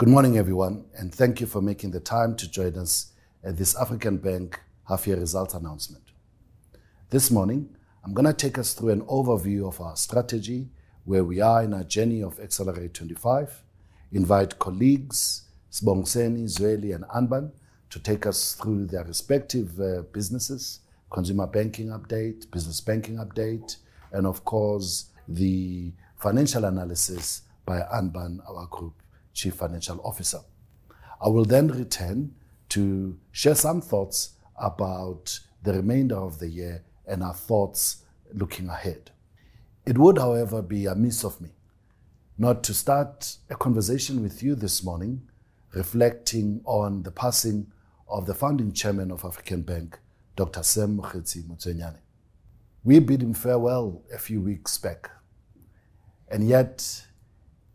Good morning, everyone, and thank you for making the time to join us at this African Bank half-year results announcement. This morning, I'm gonna take us through an overview of our strategy, where we are in our journey of Excelerate25. Invite colleagues, Sibongiseni, Zweli, and Anbann, to take us through their respective businesses, consumer banking update, business banking update, and of course, the financial analysis by Anbann, our Group Chief Financial Officer. I will then return to share some thoughts about the remainder of the year and our thoughts looking ahead. It would, however, be amiss of me not to start a conversation with you this morning reflecting on the passing of the founding chairman of African Bank, Dr. Sam Motsuenyane. We bid him farewell a few weeks back, and yet,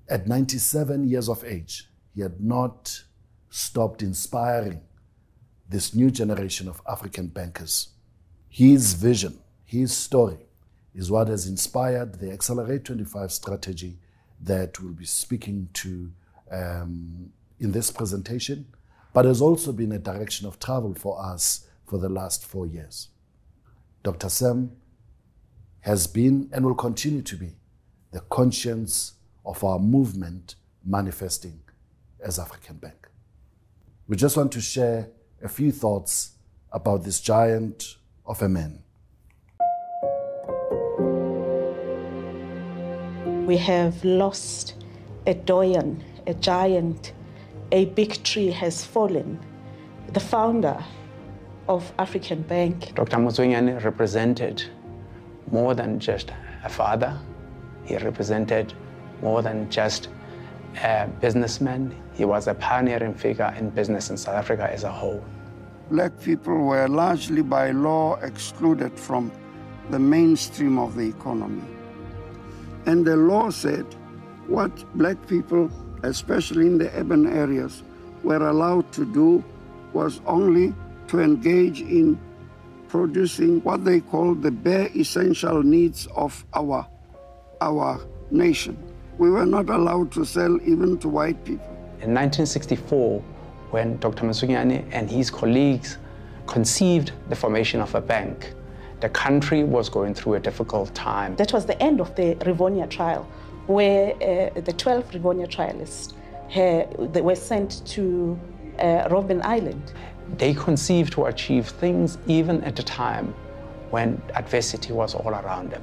at 97 years of age, he had not stopped inspiring this new generation of African bankers. His vision, his story, is what has inspired the Excelerate25 strategy that we'll be speaking to in this presentation, but has also been a direction of travel for us for the last four years. Dr. Sam has been, and will continue to be, the conscience of our movement, manifesting as African Bank. We just want to share a few thoughts about this giant of a man. We have lost a doyen, a giant. A big tree has fallen, the founder of African Bank. Dr. Motsuenyane represented more than just a father. He represented more than just a businessman. He was a pioneering figure in business in South Africa as a whole. Black people were largely, by law, excluded from the mainstream of the economy, and the law said what Black people, especially in the urban areas, were allowed to do was only to engage in producing what they call the bare essential needs of our, our nation. We were not allowed to sell even to white people. In 1964, when Dr. Motsuenyane and his colleagues conceived the formation of a bank, the country was going through a difficult time. That was the end of the Rivonia Trial, where the 12 Rivonia trialists they were sent to Robben Island. They conceived to achieve things even at a time when adversity was all around them.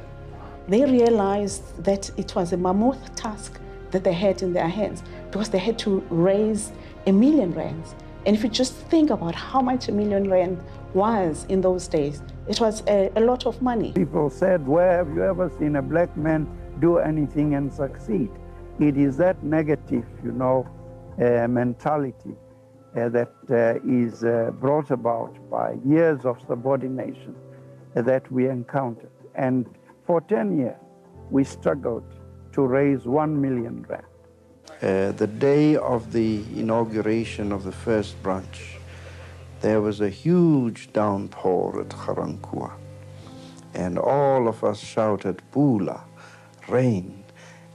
They realized that it was a mammoth task that they had in their hands because they had to raise 1 million rand. If you just think about how much 1 million rand was in those days, it was a lot of money. People said, "Where have you ever seen a Black man do anything and succeed?" It is that negative, you know, mentality, that is brought about by years of subordination that we encountered. And for 10 years, we struggled to raise 1 million rand. The day of the inauguration of the first branch, there was a huge downpour at Ga-Rankuwa, and all of us shouted, "Pula! Rain,"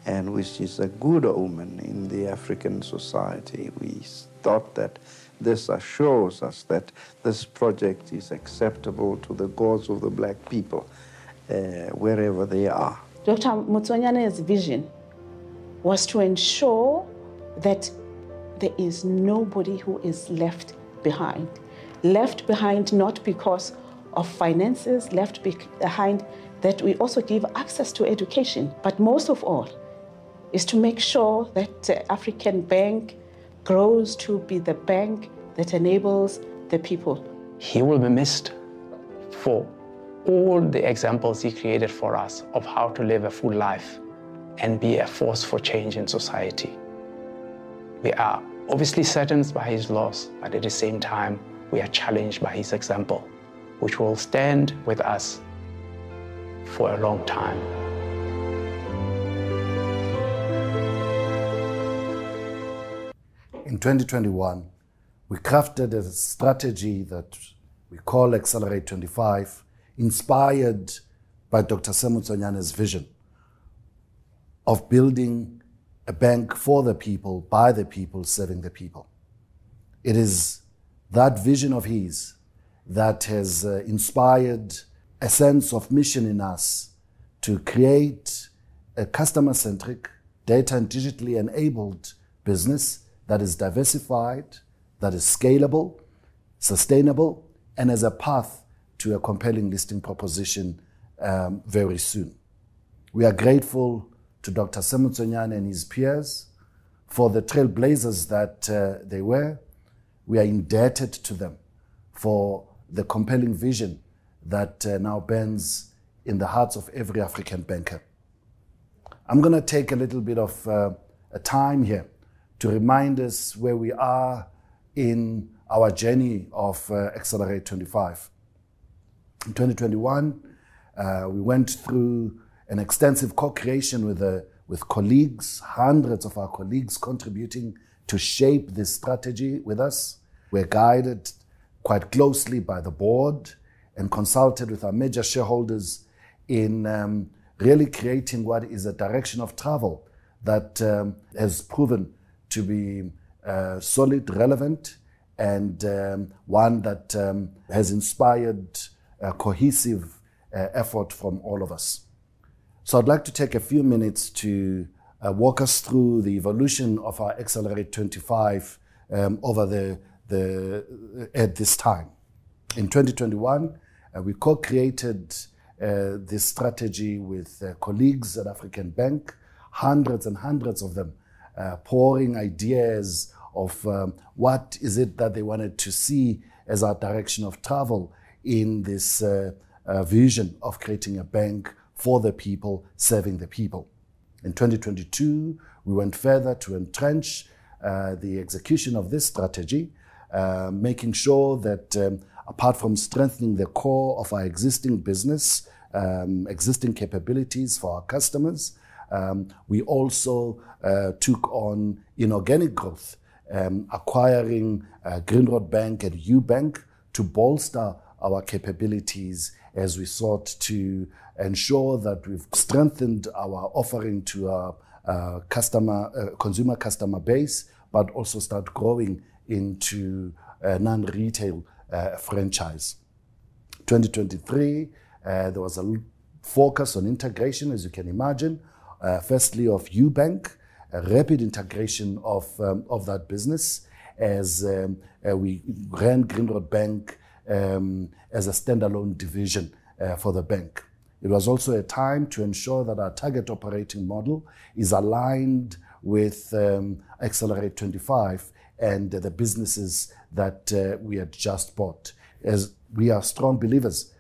and which is a good omen in the African society. We thought that this assures us that this project is acceptable to the gods of the Black people, wherever they are. Dr. Motsuenyane's vision was to ensure that there is nobody who is left behind. Left behind not because of finances, left behind... That we also give access to education, but most of all, is to make sure that African Bank grows to be the bank that enables the people. He will be missed for all the examples he created for us of how to live a full life and be a force for change in society. We are obviously saddened by his loss, but at the same time, we are challenged by his example, which will stand with us for a long time. In 2021, we crafted a strategy that we call Excelerate25, inspired by Dr. Sam Motsuenyane's vision of building a bank for the people, by the people, serving the people. It is that vision of his that has inspired a sense of mission in us to create a customer-centric, data, and digitally enabled business that is diversified, that is scalable, sustainable, and as a path to a compelling listing proposition, very soon. We are grateful to Dr. Sam Motsuenyane and his peers for the trailblazers that they were. We are indebted to them for the compelling vision that now burns in the hearts of every African banker. I'm gonna take a little bit of time here to remind us where we are in our journey of Excelerate25. In 2021, we went through an extensive co-creation with colleagues, hundreds of our colleagues contributing to shape this strategy with us. We're guided quite closely by the board and consulted with our major shareholders in really creating what is a direction of travel that has proven to be solid, relevant, and one that has inspired a cohesive effort from all of us. So I'd like to take a few minutes to walk us through the evolution of our Excelerate25 over the at this time. In 2021, we co-created this strategy with colleagues at African Bank, hundreds and hundreds of them, pouring ideas of what is it that they wanted to see as our direction of travel in this vision of creating a bank for the people, serving the people. In 2022, we went further to entrench the execution of this strategy, making sure that, apart from strengthening the core of our existing business, existing capabilities for our customers, we also took on inorganic growth, acquiring Grindrod Bank and Ubank to bolster our capabilities as we sought to ensure that we've strengthened our offering to our customer consumer customer base, but also start growing into a non-retail franchise. 2023, there was a focus on integration, as you can imagine. Firstly, of Ubank, a rapid integration of that business as we ran Grindrod Bank as a standalone division for the bank. It was also a time to ensure that our target operating model is aligned with Excelerate25 and the businesses that we had just bought. As we are strong believers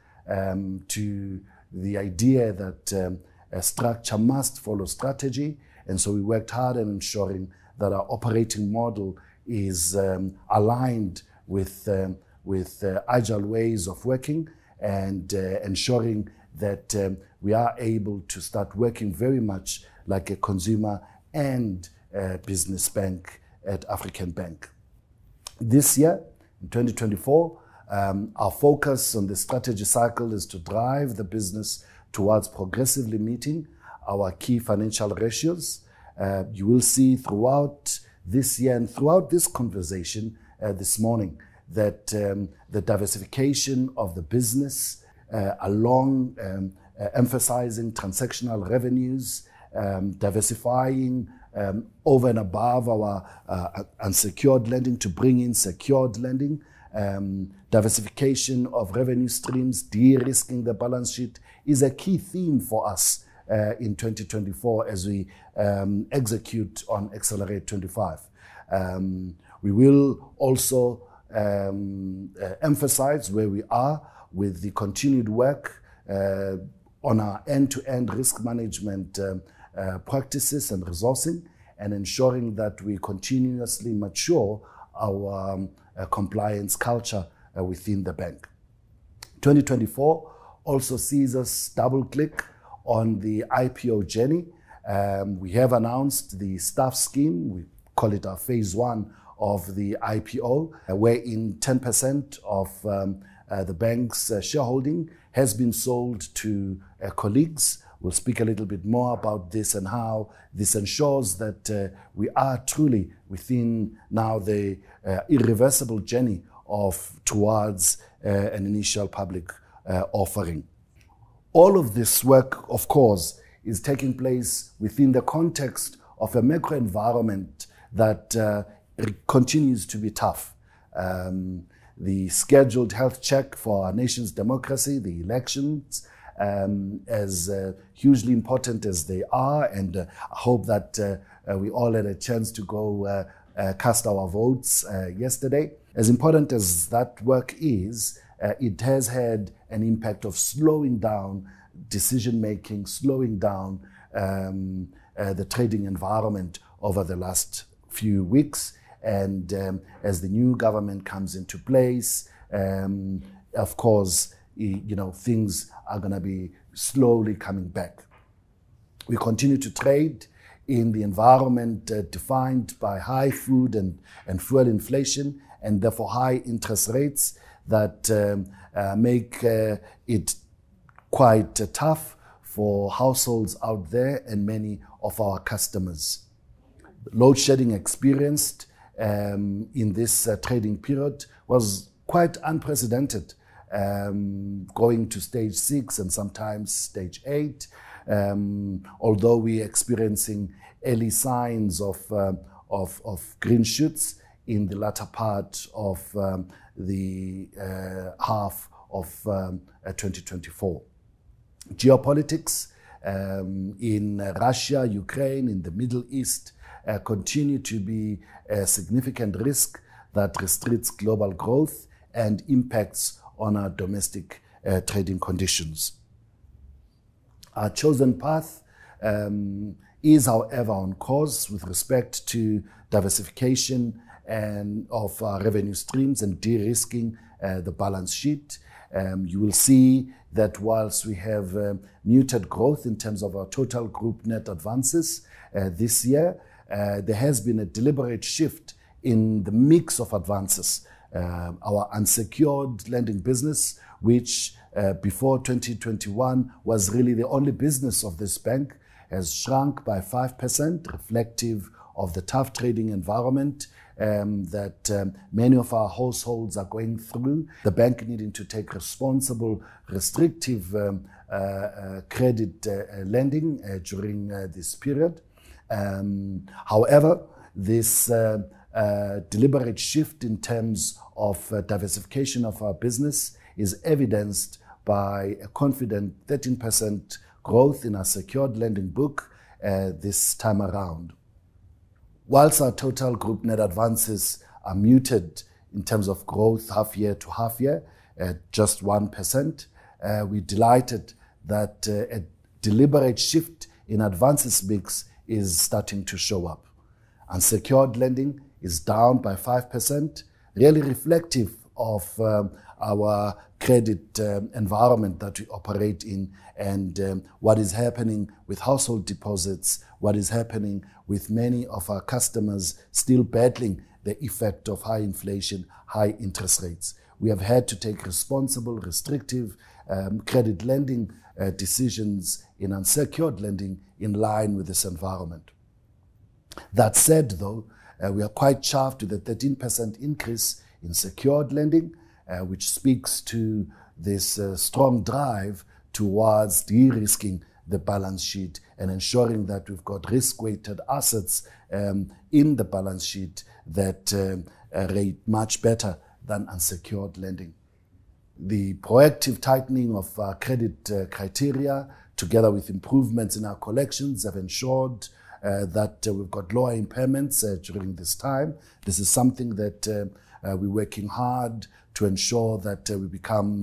to the idea that a structure must follow strategy, and so we worked hard in ensuring that our operating model is aligned with agile ways of working and ensuring that we are able to start working very much like a consumer and a business bank at African Bank. This year, in 2024, our focus on the strategy cycle is to drive the business towards progressively meeting our key financial ratios. You will see throughout this year and throughout this conversation this morning, that the diversification of the business along emphasizing transactional revenues, diversifying over and above our unsecured lending to bring in secured lending, diversification of revenue streams, de-risking the balance sheet, is a key theme for us in 2024 as we execute on Excelerate25. We will also emphasize where we are with the continued work on our end-to-end risk management practices and resourcing, and ensuring that we continuously mature our compliance culture within the bank. 2024 also sees us double-click on the IPO journey. We have announced the staff scheme. We call it our phase one of the IPO, wherein 10% of the bank's shareholding has been sold to colleagues. We'll speak a little bit more about this and how this ensures that we are truly within now the irreversible journey of towards an initial public offering. All of this work, of course, is taking place within the context of a macro environment that continues to be tough. The scheduled health check for our nation's democracy, the elections, as hugely important as they are, and I hope that we all had a chance to go cast our votes yesterday. As important as that work is, it has had an impact of slowing down decision-making, slowing down the trading environment over the last few weeks. And as the new government comes into place, of course, you know, things are gonna be slowly coming back. We continue to trade in the environment defined by high food and, and fuel inflation, and therefore high interest rates that make it quite tough for households out there and many of our customers. Load-shedding experienced in this trading period was quite unprecedented, going to stage six and sometimes stage eight. Although we're experiencing early signs of green shoots in the latter part of the half of 2024. Geopolitics in Russia, Ukraine, in the Middle East continue to be a significant risk that restricts global growth and impacts on our domestic trading conditions.... Our chosen path is however on course with respect to diversification and of revenue streams and de-risking the balance sheet. You will see that whilst we have muted growth in terms of our total group net advances this year, there has been a deliberate shift in the mix of advances. Our unsecured lending business, which before 2021 was really the only business of this bank, has shrunk by 5%, reflective of the tough trading environment that many of our households are going through. The bank needing to take responsible, restrictive credit lending during this period. However, this deliberate shift in terms of diversification of our business is evidenced by a confident 13% growth in our secured lending book this time around. While our total group net advances are muted in terms of growth, half year to half year at just 1%, we're delighted that a deliberate shift in advances mix is starting to show up. Unsecured lending is down by 5%, really reflective of our credit environment that we operate in and what is happening with household deposits, what is happening with many of our customers still battling the effect of high inflation, high interest rates. We have had to take responsible, restrictive credit lending decisions in unsecured lending in line with this environment. That said, though, we are quite chuffed with the 13% increase in secured lending, which speaks to this strong drive towards de-risking the balance sheet and ensuring that we've got risk-weighted assets in the balance sheet that rate much better than unsecured lending. The proactive tightening of our credit criteria, together with improvements in our collections, have ensured that we've got lower impairments during this time. This is something that we're working hard to ensure that we become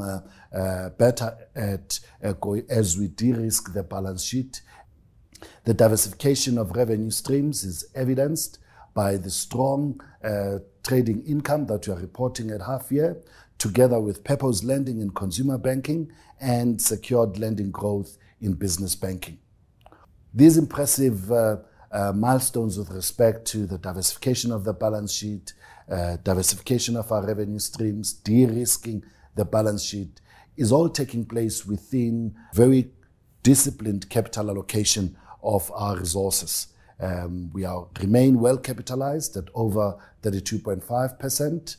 better at as we de-risk the balance sheet. The diversification of revenue streams is evidenced by the strong trading income that we are reporting at half year, together with purpose lending and consumer banking, and secured lending growth in business banking. These impressive milestones with respect to the diversification of the balance sheet, diversification of our revenue streams, de-risking the balance sheet, is all taking place within very disciplined capital allocation of our resources. We are remain well capitalized at over 32.5%,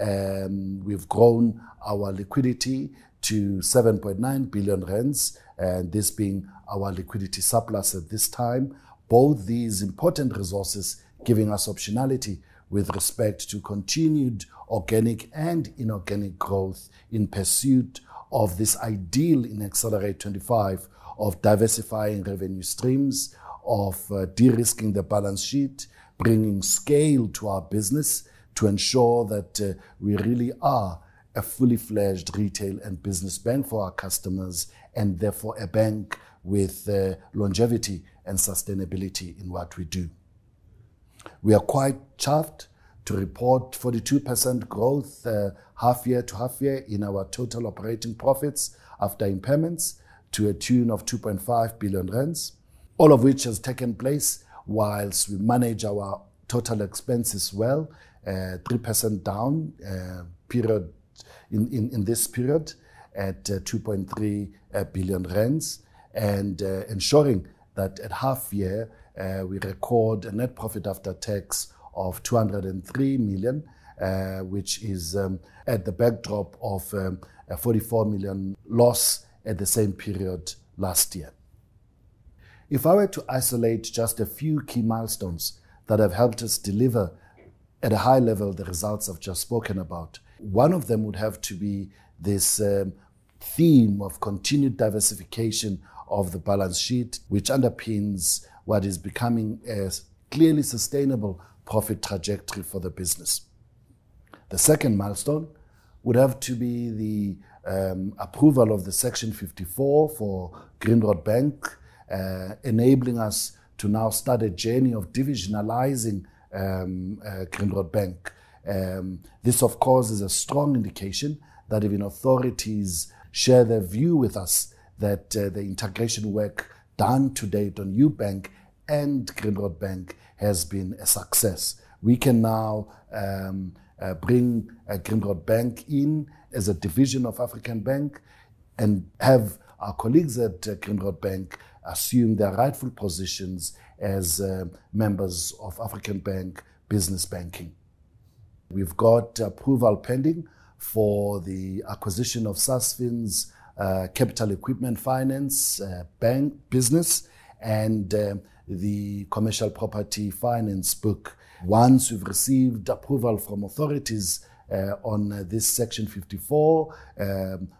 and we've grown our liquidity to 7.9 billion rand, and this being our liquidity surplus at this time. Both these important resources giving us optionality with respect to continued organic and inorganic growth in pursuit of this ideal in Excelerate25 of diversifying revenue streams, of de-risking the balance sheet, bringing scale to our business to ensure that we really are a fully fledged retail and business bank for our customers, and therefore a bank with longevity and sustainability in what we do. We are quite chuffed to report 42% growth, half-year to half-year, in our total operating profits after impairments to a tune of 2.5 billion rand, all of which has taken place while we manage our total expenses well, 3% down, period-on-period, at 2.3 billion. Ensuring that at half-year, we record a net profit after tax of 203 million, which is at the backdrop of a 44 million loss at the same period last year. If I were to isolate just a few key milestones that have helped us deliver at a high level the results I've just spoken about, one of them would have to be this, theme of continued diversification of the balance sheet, which underpins what is becoming a clearly sustainable profit trajectory for the business. The second milestone would have to be the approval of the Section 54 for Grindrod Bank, enabling us to now start a journey of divisionalising Grindrod Bank. This, of course, is a strong indication that even authorities share their view with us, that the integration work done to date on Ubank and Grindrod Bank has been a success. We can now bring Grindrod Bank in as a division of African Bank and have our colleagues at Grindrod Bank assume their rightful positions as members of African Bank Business Banking. We've got approval pending for the acquisition of Sasfin's Capital Equipment Finance Bank business and the Commercial Property Finance book. Once we've received approval from authorities on this Section 54,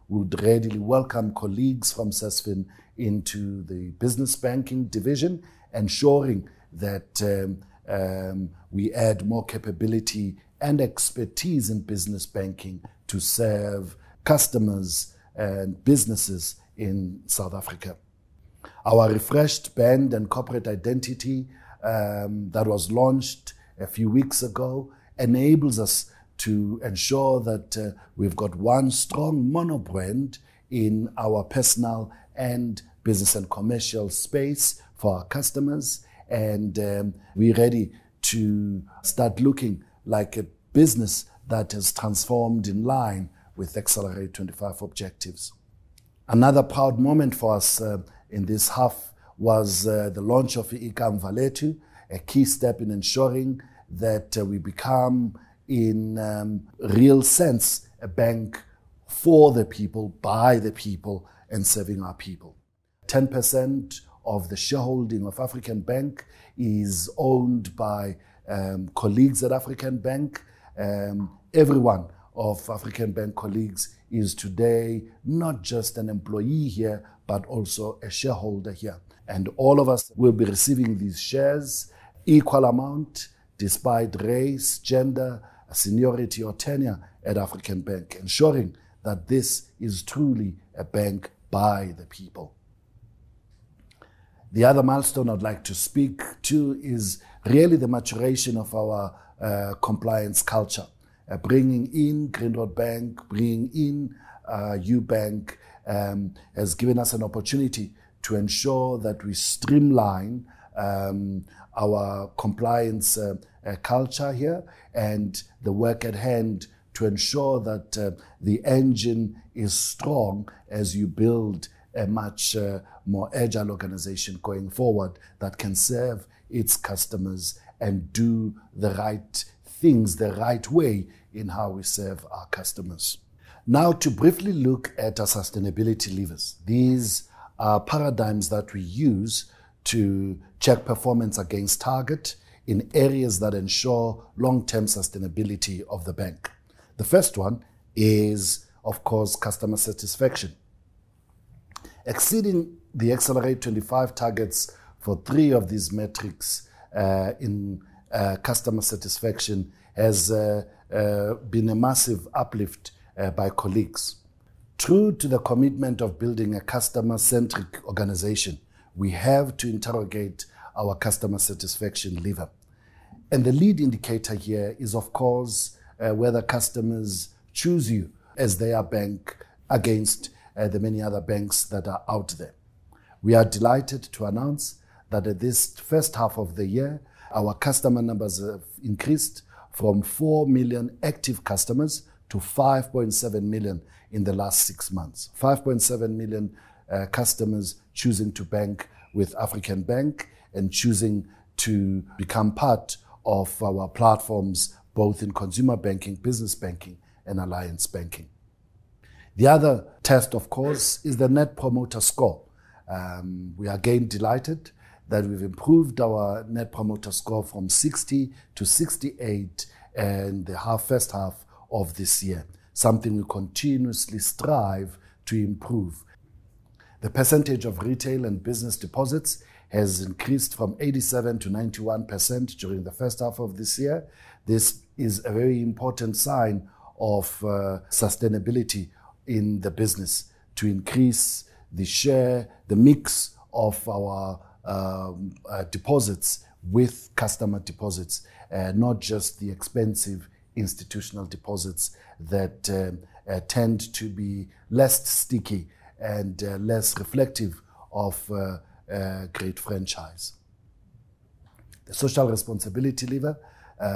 we would readily welcome colleagues from Sasfin into the business banking division, ensuring that we add more capability and expertise in business banking to serve customers and businesses in South Africa. Our refreshed brand and corporate identity, that was launched a few weeks ago, enables us to ensure that, we've got one strong mono brand in our personal and business and commercial space for our customers, and, we're ready to start looking like a business that is transformed in line with Excelerate25 objectives. Another proud moment for us, in this half was, the launch of Ikamva Lethu, a key step in ensuring that, we become, in, real sense, a bank for the people, by the people, and serving our people. 10% of the shareholding of African Bank is owned by, colleagues at African Bank. Every one of African Bank colleagues is today not just an employee here, but also a shareholder here. And all of us will be receiving these shares, equal amount, despite race, gender, seniority, or tenure at African Bank, ensuring that this is truly a bank by the people. The other milestone I'd like to speak to is really the maturation of our compliance culture. Bringing in Grindrod Bank, bringing in Ubank, has given us an opportunity to ensure that we streamline our compliance culture here, and the work at hand to ensure that the engine is strong as you build a much more agile organization going forward that can serve its customers and do the right things the right way in how we serve our customers. Now, to briefly look at our sustainability levers. These are paradigms that we use to check performance against target in areas that ensure long-term sustainability of the bank. The first one is, of course, customer satisfaction. Exceeding the Excelerate25 targets for three of these metrics in customer satisfaction has been a massive uplift by colleagues. True to the commitment of building a customer-centric organization, we have to interrogate our customer satisfaction lever. The lead indicator here is, of course, whether customers choose you as their bank against the many other banks that are out there. We are delighted to announce that at this first half of the year, our customer numbers have increased from 4 million active customers to 5.7 million in the last six months. 5.7 million customers choosing to bank with African Bank and choosing to become part of our platforms, both in consumer banking, business banking, and alliance banking. The other test, of course, is the Net Promoter Score. We are again delighted that we've improved our Net Promoter Score from 60 to 68 in the first half of this year, something we continuously strive to improve. The percentage of retail and business deposits has increased from 87%-91% during the first half of this year. This is a very important sign of sustainability in the business to increase the share, the mix of our deposits with customer deposits, not just the expensive institutional deposits that tend to be less sticky and less reflective of a great franchise. The social responsibility lever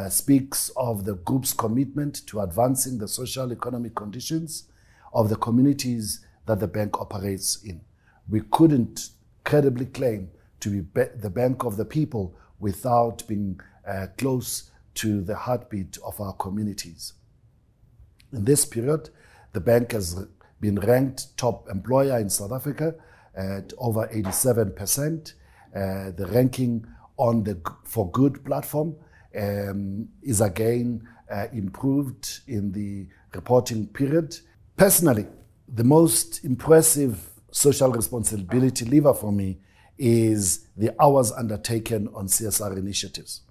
speaks of the group's commitment to advancing the social economic conditions of the communities that the bank operates in. We couldn't credibly claim to be the bank of the people without being close to the heartbeat of our communities. In this period, the bank has been ranked top employer in South Africa at over 87%. The ranking on the forgood platform is again improved in the reporting period. Personally, the most impressive social responsibility lever for me is the hours undertaken on CSR initiatives.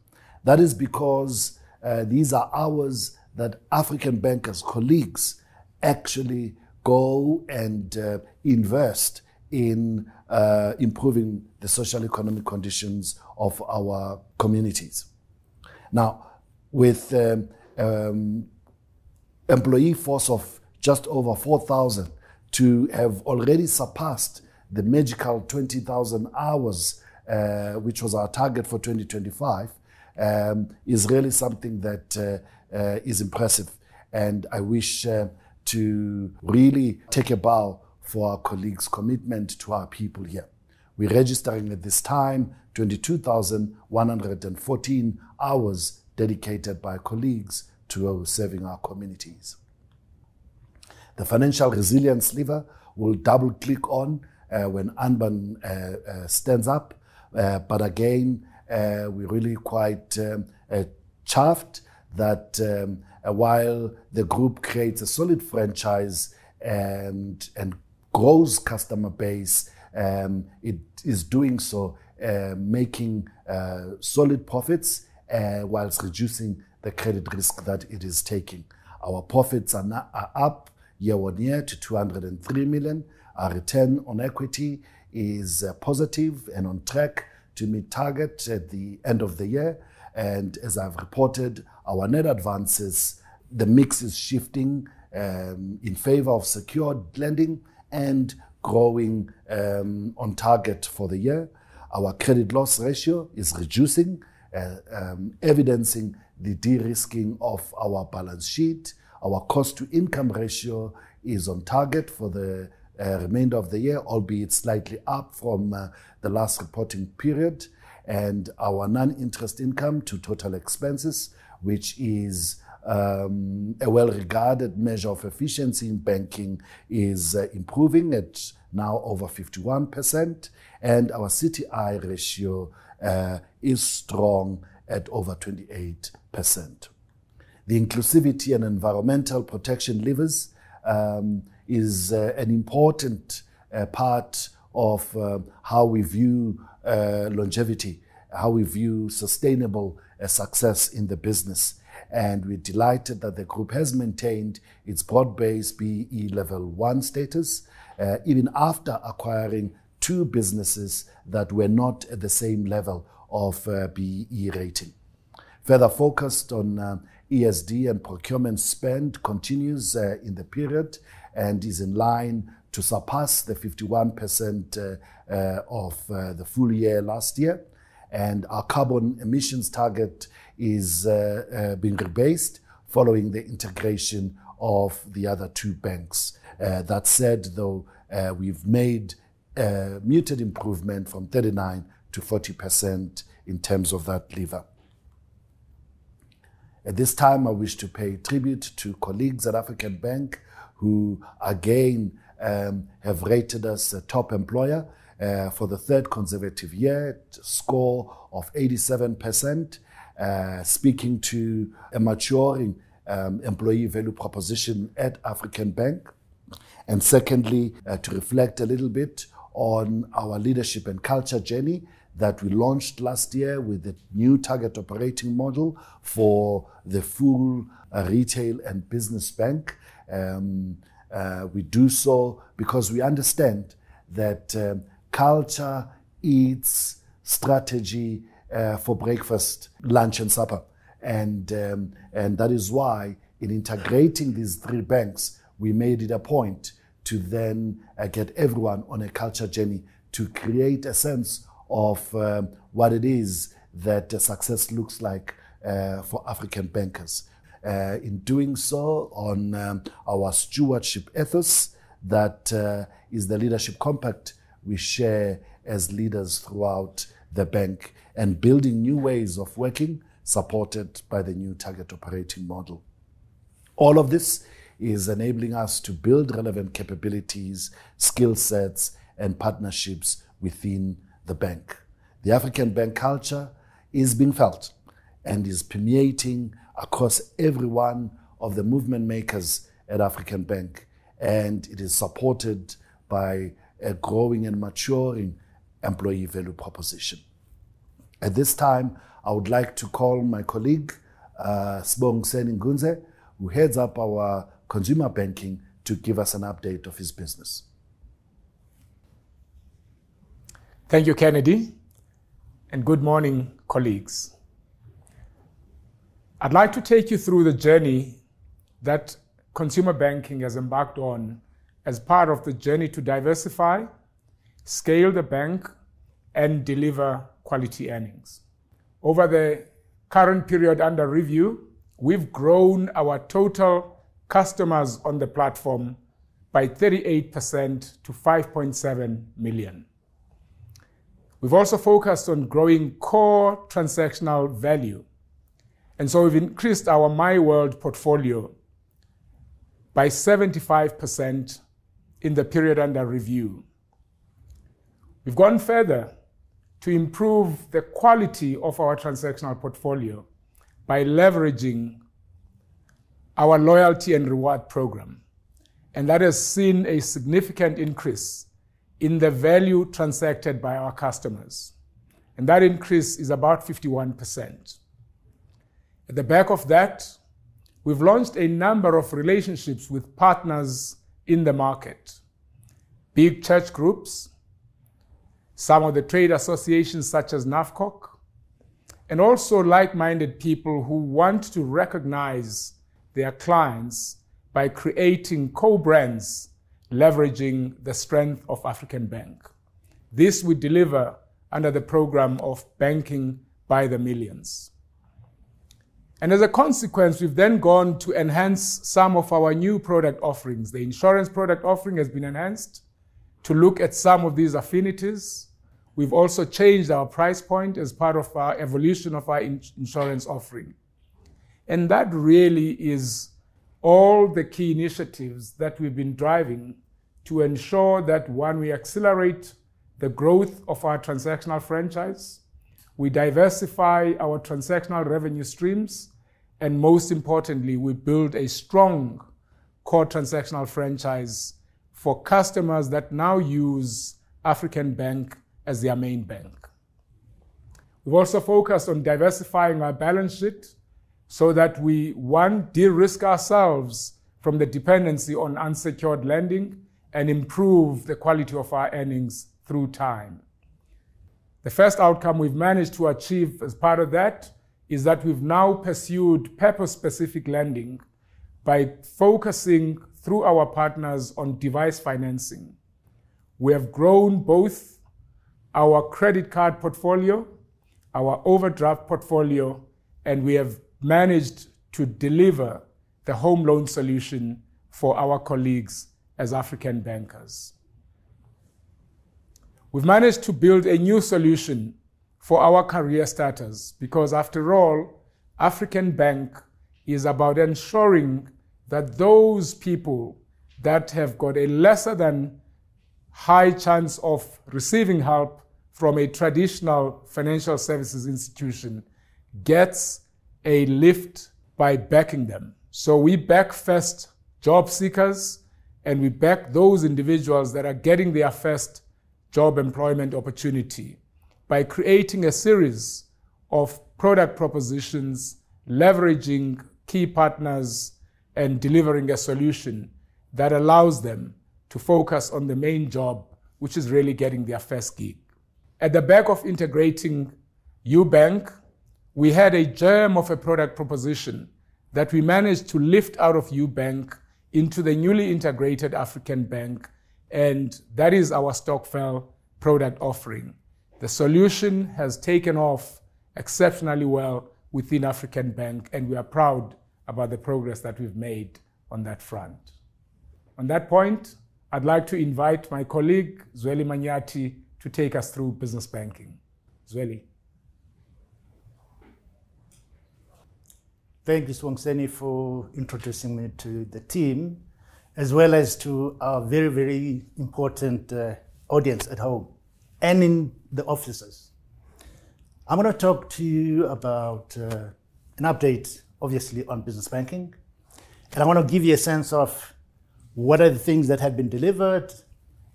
That is because these are hours that African Bankers colleagues actually go and invest in improving the socioeconomic conditions of our communities. Now, with employee force of just over 4,000 to have already surpassed the magical 20,000 hours, which was our target for 2025, is really something that is impressive, and I wish to really take a bow for our colleagues' commitment to our people here. We're registering at this time 22,114 hours dedicated by colleagues to serving our communities. The financial resilience lever will double-click on when Ubank stands up. But again, we're really quite chuffed that while the group creates a solid franchise and grows customer base, it is doing so making solid profits whilst reducing the credit risk that it is taking. Our profits are up year-over-year to 203 million. Our return on equity is positive and on track to meet target at the end of the year. As I've reported, our net advances, the mix is shifting in favor of secured lending and growing on target for the year. Our credit loss ratio is reducing, evidencing the de-risking of our balance sheet. Our cost-to-income ratio is on target for the remainder of the year, albeit slightly up from the last reporting period, and our non-interest income to total expenses, which is a well-regarded measure of efficiency in banking, is improving at now over 51%, and our CTI ratio is strong at over 28%. The inclusivity and environmental protection levers is an important part of how we view longevity, how we view sustainable success in the business. And we're delighted that the group has maintained its broad-based BEE Level 1 status, even after acquiring two businesses that were not at the same level of BEE rating. Further focus on ESD and procurement spend continues in the period and is in line to surpass the 51% of the full year last year. Our carbon emissions target is being rebased following the integration of the other two banks. That said, though, we've made a muted improvement from 39%-40% in terms of that lever. At this time, I wish to pay tribute to colleagues at African Bank, who again have rated us a top employer for the third consecutive year, score of 87%, speaking to a maturing employee value proposition at African Bank. And secondly, to reflect a little bit on our leadership and culture journey that we launched last year with the new target operating model for the full retail and business bank. We do so because we understand that culture eats strategy for breakfast, lunch, and supper. That is why in integrating these three banks, we made it a point to then get everyone on a culture journey to create a sense of what it is that success looks like for African Bankers. In doing so, our stewardship ethos that is the leadership compact we share as leaders throughout the bank, and building new ways of working, supported by the new target operating model. All of this is enabling us to build relevant capabilities, skillsets, and partnerships within the bank. The African Bank culture is being felt and is permeating across every one of the Movement Makers at African Bank, and it is supported by a growing and maturing employee value proposition. At this time, I would like to call my colleague, Sibongiseni Ngundze, who heads up our Consumer Banking, to give us an update of his business. Thank you, Kennedy, and good morning, colleagues. I'd like to take you through the journey that consumer banking has embarked on as part of the journey to diversify, scale the bank, and deliver quality earnings. Over the current period under review, we've grown our total customers on the platform by 38% to 5.7 million. We've also focused on growing core transactional value, and so we've increased our MyWORLD portfolio by 75% in the period under review. We've gone further to improve the quality of our transactional portfolio by leveraging our loyalty and reward program, and that has seen a significant increase in the value transacted by our customers, and that increase is about 51%. At the back of that, we've launched a number of relationships with partners in the market, big church groups, some of the trade associations such as NAFCOC, and also like-minded people who want to recognize their clients by creating co-brands, leveraging the strength of African Bank. This we deliver under the program of Banking by the Millions. As a consequence, we've then gone to enhance some of our new product offerings. The insurance product offering has been enhanced to look at some of these affinities. We've also changed our price point as part of our evolution of our insurance offering. That really is all the key initiatives that we've been driving to ensure that, one, we accelerate the growth of our transactional franchise.... We diversify our transactional revenue streams, and most importantly, we build a strong core transactional franchise for customers that now use African Bank as their main bank. We've also focused on diversifying our balance sheet so that we, one, de-risk ourselves from the dependency on unsecured lending and improve the quality of our earnings through time. The first outcome we've managed to achieve as part of that is that we've now pursued purpose-specific lending by focusing through our partners on device financing. We have grown both our credit card portfolio, our overdraft portfolio, and we have managed to deliver the home loan solution for our colleagues as African Bankers. We've managed to build a new solution for our career starters because, after all, African Bank is about ensuring that those people that have got a lesser than high chance of receiving help from a traditional financial services institution gets a lift by backing them. So we back first job seekers, and we back those individuals that are getting their first job employment opportunity by creating a series of product propositions, leveraging key partners, and delivering a solution that allows them to focus on the main job, which is really getting their first gig. At the back of integrating Ubank, we had a gem of a product proposition that we managed to lift out of Ubank into the newly integrated African Bank, and that is our Stokvel product offering. The solution has taken off exceptionally well within African Bank, and we are proud about the progress that we've made on that front. On that point, I'd like to invite my colleague, Zweli Manyathi, to take us through business banking. Zweli? Thank you, Sibongiseni, for introducing me to the team, as well as to our very, very important audience at home and in the offices. I'm gonna talk to you about an update, obviously, on Business Banking, and I want to give you a sense of what are the things that have been delivered,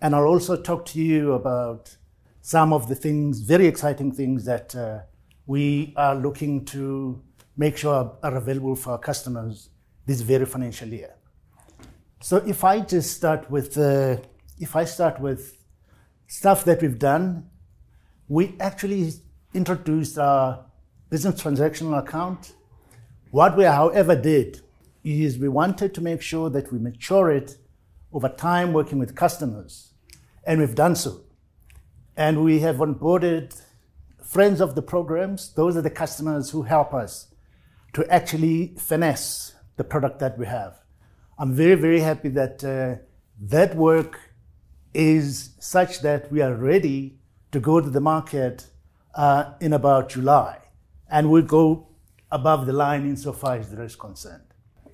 and I'll also talk to you about some of the things, very exciting things that we are looking to make sure are available for our customers this very financial year. So if I just start with the... If I start with stuff that we've done, we actually introduced a business transactional account. What we however did is we wanted to make sure that we mature it over time working with customers, and we've done so. And we have onboarded friends of the programs. Those are the customers who help us to actually finesse the product that we have. I'm very, very happy that that work is such that we are ready to go to the market in about July, and we'll go above the line insofar as that is concerned.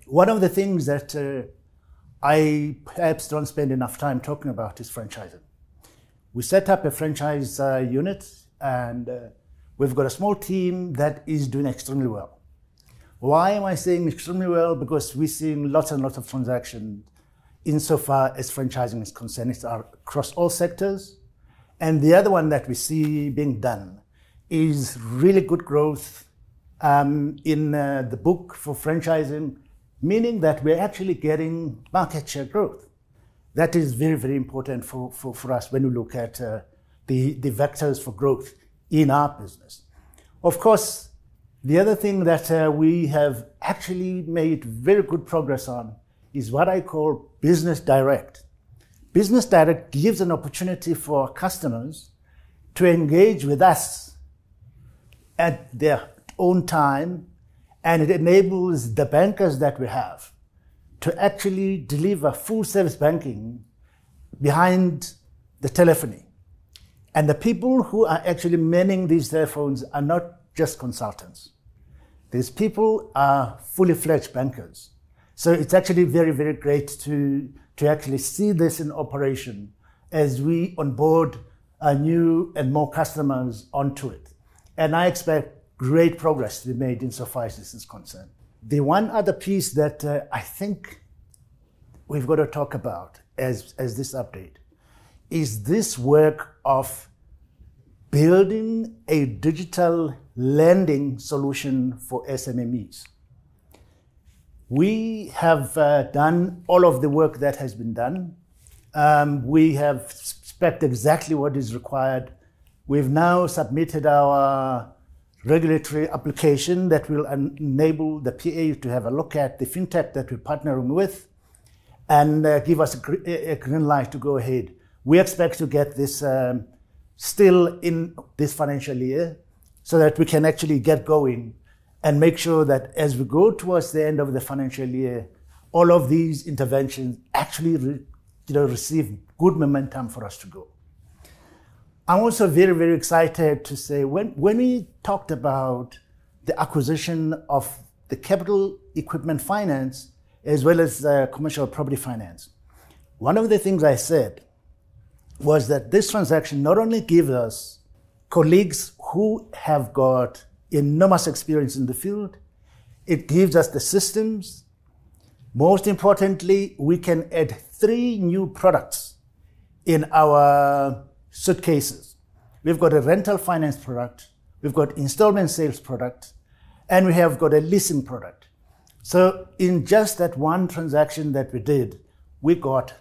One of the things that I perhaps don't spend enough time talking about is franchising. We set up a franchise unit, and we've got a small team that is doing extremely well. Why am I saying extremely well? Because we're seeing lots and lots of transactions insofar as franchising is concerned. They are across all sectors. And the other one that we see being done is really good growth in the book for franchising, meaning that we're actually getting market share growth. That is very, very important for us when we look at the vectors for growth in our business. Of course, the other thing that we have actually made very good progress on is what I call Business Direct. Business Direct gives an opportunity for our customers to engage with us at their own time, and it enables the bankers that we have to actually deliver full service banking behind the telephony. And the people who are actually manning these telephones are not just consultants. These people are fully fledged bankers. So it's actually very, very great to actually see this in operation as we onboard new and more customers onto it. And I expect great progress to be made insofar as this is concerned. The one other piece that I think we've got to talk about as this update is this work of building a digital lending solution for SMEs. We have done all of the work that has been done. We have spec'd exactly what is required. We've now submitted our regulatory application that will enable the PA to have a look at the fintech that we're partnering with and give us a green light to go ahead. We expect to get this still in this financial year, so that we can actually get going and make sure that as we go towards the end of the financial year, all of these interventions actually receive good momentum for us to go, you know. I'm also very, very excited to say, when we talked about the acquisition of the Capital Equipment Finance as well as the commercial property finance. One of the things I said was that this transaction not only gives us colleagues who have got enormous experience in the field, it gives us the systems. Most importantly, we can add three new products in our suite. We've got a rental finance product, we've got installment sales product, and we have got a leasing product. So in just that one transaction that we did, we got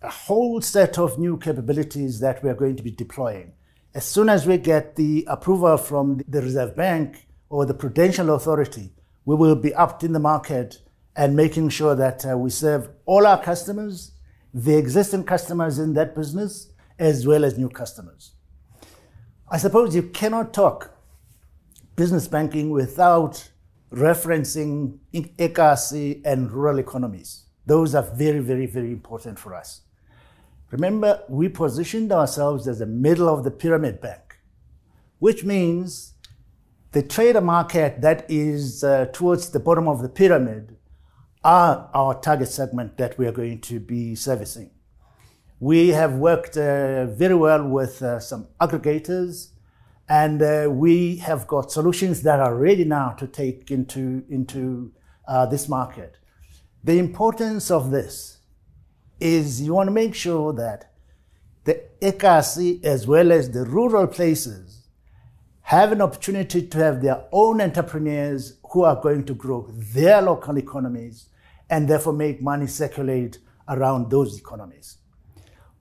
a whole set of new capabilities that we are going to be deploying. As soon as we get the approval from the Reserve Bank or the Prudential Authority, we will be out in the market and making sure that we serve all our customers, the existing customers in that business, as well as new customers. I suppose you cannot talk business banking without referencing eKasi and rural economies. Those are very, very, very important for us. Remember, we positioned ourselves as a middle-of-the-pyramid bank, which means the trader market that is towards the bottom of the pyramid are our target segment that we are going to be servicing. We have worked very well with some aggregators, and we have got solutions that are ready now to take into this market. The importance of this is you want to make sure that the eKasi, as well as the rural places, have an opportunity to have their own entrepreneurs who are going to grow their local economies, and therefore, make money circulate around those economies.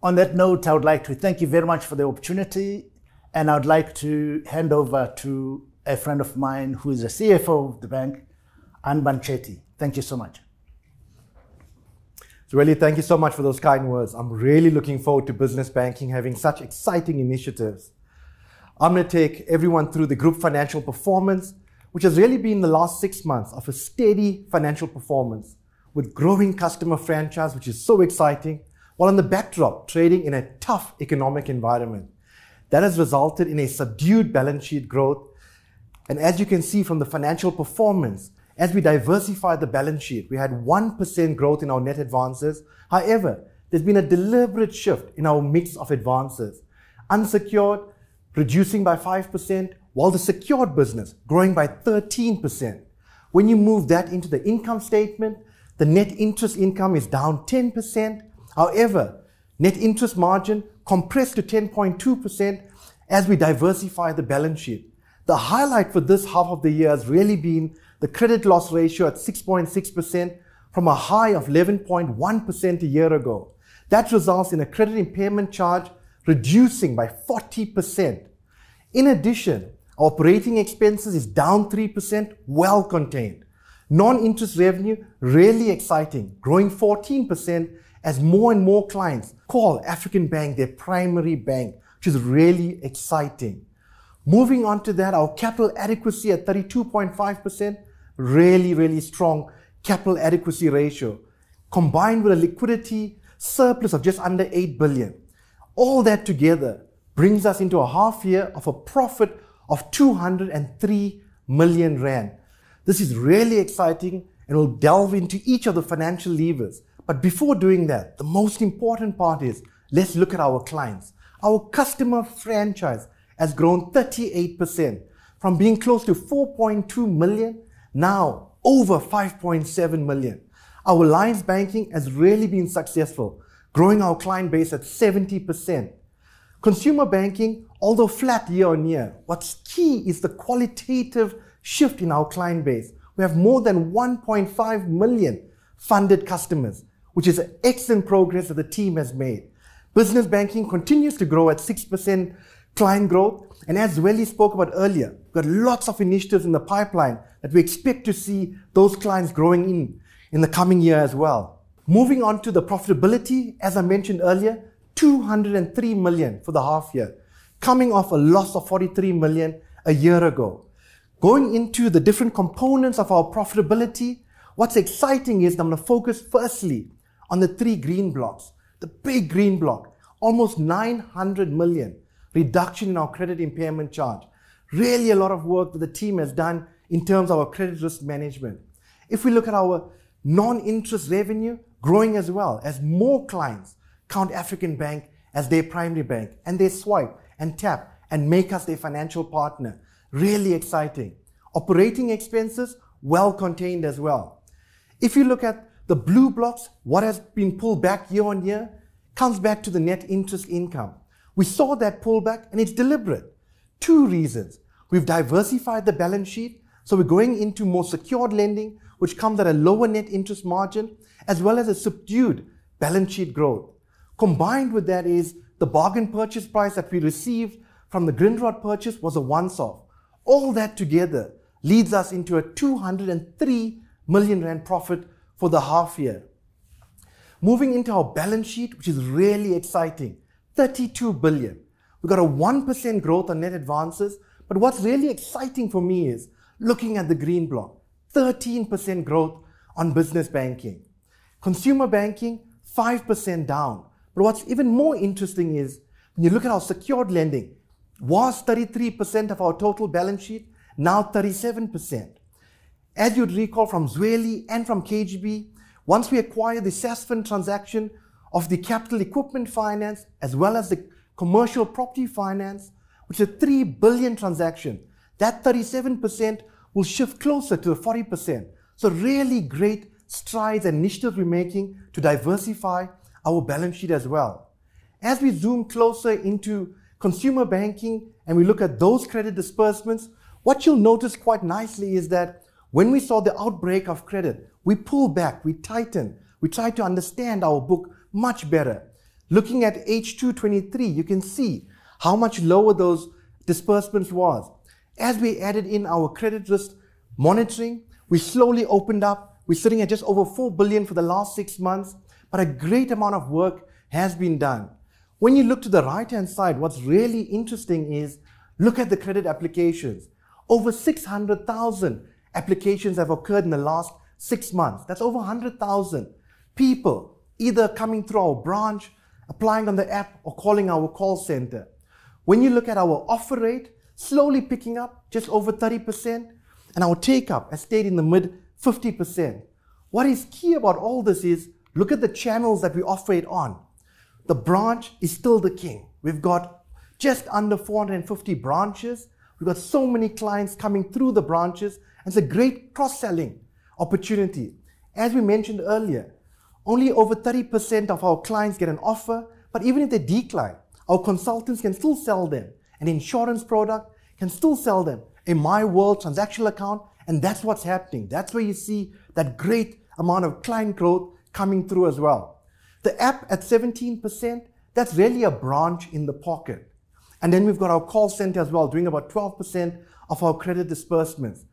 On that note, I would like to thank you very much for the opportunity, and I would like to hand over to a friend of mine who is the CFO of the bank, Anbann Chetti. Thank you so much. Zweli, thank you so much for those kind words. I'm really looking forward to business banking having such exciting initiatives. I'm gonna take everyone through the group financial performance, which has really been the last six months of a steady financial performance, with growing customer franchise, which is so exciting, while in the backdrop, trading in a tough economic environment. That has resulted in a subdued balance sheet growth. As you can see from the financial performance, as we diversified the balance sheet, we had 1% growth in our net advances. However, there's been a deliberate shift in our mix of advances: unsecured, reducing by 5%, while the secured business, growing by 13%. When you move that into the income statement, the net interest income is down 10%. However, net interest margin compressed to 10.2% as we diversify the balance sheet. The highlight for this half of the year has really been the credit loss ratio at 6.6% from a high of 11.1% a year ago. That results in a credit impairment charge reducing by 40%. In addition, operating expenses is down 3%, well contained. Non-interest revenue, really exciting, growing 14% as more and more clients call African Bank their primary bank, which is really exciting. Moving on to that, our capital adequacy at 32.5%, really, really strong capital adequacy ratio, combined with a liquidity surplus of just under 8 billion. All that together brings us into a half year of a profit of 203 million rand. This is really exciting, and we'll delve into each of the financial levers. But before doing that, the most important part is, let's look at our clients. Our customer franchise has grown 38%, from being close to 4.2 million, now over 5.7 million. Our alliance banking has really been successful, growing our client base at 70%. Consumer banking, although flat year-on-year, what's key is the qualitative shift in our client base. We have more than 1.5 million funded customers, which is excellent progress that the team has made. Business banking continues to grow at 6% client growth, and as Zweli spoke about earlier, we've got lots of initiatives in the pipeline, and we expect to see those clients growing in the coming year as well. Moving on to the profitability, as I mentioned earlier, 203 million for the half year, coming off a loss of 43 million a year ago. Going into the different components of our profitability, what's exciting is... I'm gonna focus firstly on the three green blocks. The big green block, almost 900 million reduction in our credit impairment charge. Really a lot of work that the team has done in terms of our credit risk management. If we look at our non-interest revenue, growing as well, as more clients count African Bank as their primary bank, and they swipe and tap and make us their financial partner. Really exciting. Operating expenses, well contained as well. If you look at the blue blocks, what has been pulled back year-on-year comes back to the net interest income. We saw that pullback, and it's deliberate. Two reasons: we've diversified the balance sheet, so we're going into more secured lending, which comes at a lower net interest margin, as well as a subdued balance sheet growth. Combined with that is the bargain purchase price that we received from the Grindrod purchase, which was a once-off. All that together leads us into a 203 million rand profit for the half year. Moving into our balance sheet, which is really exciting, 32 billion. We've got a 1% growth on net advances, but what's really exciting for me is looking at the green block. 13% growth on business banking. Consumer banking, 5% down. But what's even more interesting is when you look at our secured lending, which was 33% of our total balance sheet, now 37%. As you'd recall from Zweli and from KGB, once we acquire the Sasfin transaction of the Capital Equipment Finance as well as the Commercial Property Finance, which is a 3 billion transaction, that 37% will shift closer to 40%. So really great strides and initiatives we're making to diversify our balance sheet as well. As we zoom closer into consumer banking and we look at those credit disbursements, what you'll notice quite nicely is that when we saw the outbreak of credit, we pulled back, we tightened, we tried to understand our book much better. Looking at H2 2023, you can see how much lower those disbursements was. As we added in our credit risk monitoring, we slowly opened up. We're sitting at just over 4 billion for the last six months, but a great amount of work has been done. When you look to the right-hand side, what's really interesting is, look at the credit applications. Over 600,000 applications have occurred in the last six months. That's over 100,000 people either coming through our branch, applying on the app, or calling our call center. When you look at our offer rate, slowly picking up just over 30%, and our take-up has stayed in the mid-50%. What is key about all this is, look at the channels that we offer it on. The branch is still the king. We've got just under 450 branches. We've got so many clients coming through the branches, and it's a great cross-selling opportunity. As we mentioned earlier, only over 30% of our clients get an offer, but even if they decline, our consultants can still sell them an insurance product, can still sell them a MyWORLD transactional account, and that's what's happening. That's where you see that great amount of client growth coming through as well. The app at 17%, that's really a branch in the pocket. Then we've got our call center as well, doing about 12% of our credit disbursements.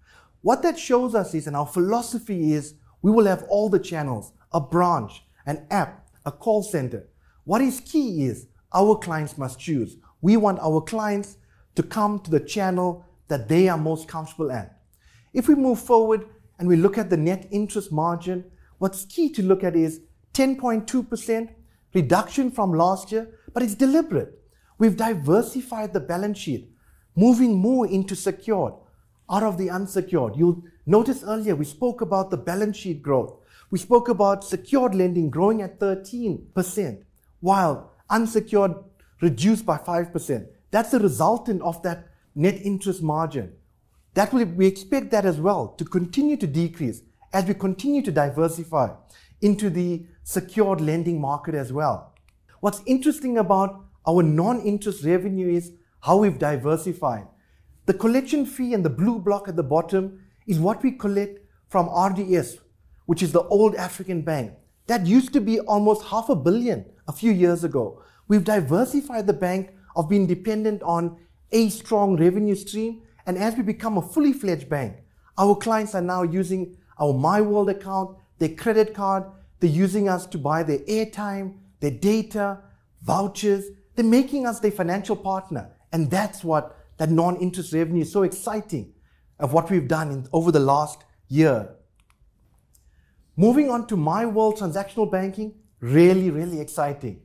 What that shows us is, and our philosophy is, we will have all the channels: a branch, an app, a call center. What is key is our clients must choose. We want our clients to come to the channel that they are most comfortable at. If we move forward and we look at the net interest margin, what's key to look at is 10.2% reduction from last year, but it's deliberate. We've diversified the balance sheet, moving more into secured out of the unsecured. You'll notice earlier, we spoke about the balance sheet growth. We spoke about secured lending growing at 13%, while unsecured reduced by 5%. That's the resultant of that net interest margin. We expect that as well to continue to decrease as we continue to diversify into the secured lending market as well. What's interesting about our non-interest revenue is how we've diversified. The collection fee in the blue block at the bottom is what we collect from RDS, which is the old African Bank. That used to be almost 500 million a few years ago. We've diversified the bank of being dependent on a strong revenue stream, and as we become a fully fledged bank, our clients are now using our MyWORLD account, their credit card. They're using us to buy their airtime, their data, vouchers. They're making us their financial partner, and that's what that non-interest revenue is so exciting of what we've done in, over the last year. Moving on to MyWORLD transactional banking, really, really exciting.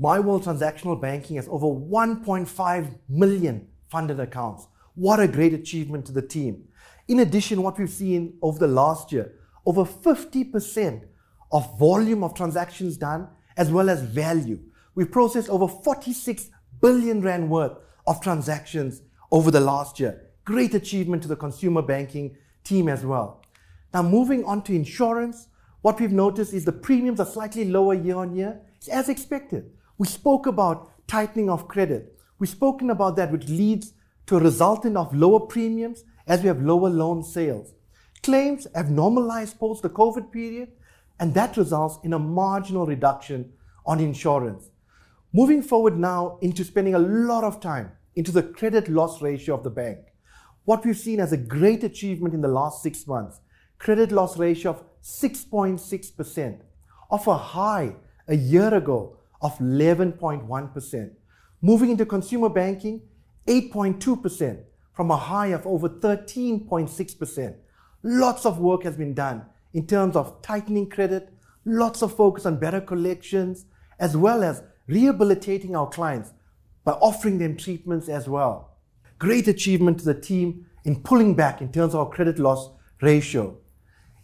MyWORLD transactional banking has over 1.5 million funded accounts. What a great achievement to the team! In addition, what we've seen over the last year, over 50% of volume of transactions done as well as value. We've processed over 46 billion rand worth of transactions over the last year. Great achievement to the consumer banking team as well. Now, moving on to insurance, what we've noticed is the premiums are slightly lower year-on-year, as expected. We spoke about tightening of credit. We've spoken about that, which leads to a resultant of lower premiums as we have lower loan sales. Claims have normalized post the COVID period, and that results in a marginal reduction on insurance. Moving forward now into spending a lot of time into the credit loss ratio of the bank. What we've seen as a great achievement in the last six months, credit loss ratio of 6.6%, off a high a year ago of 11.1%. Moving into consumer banking, 8.2% from a high of over 13.6%. Lots of work has been done in terms of tightening credit, lots of focus on better collections, as well as rehabilitating our clients by offering them treatments as well. Great achievement to the team in pulling back in terms of our credit loss ratio.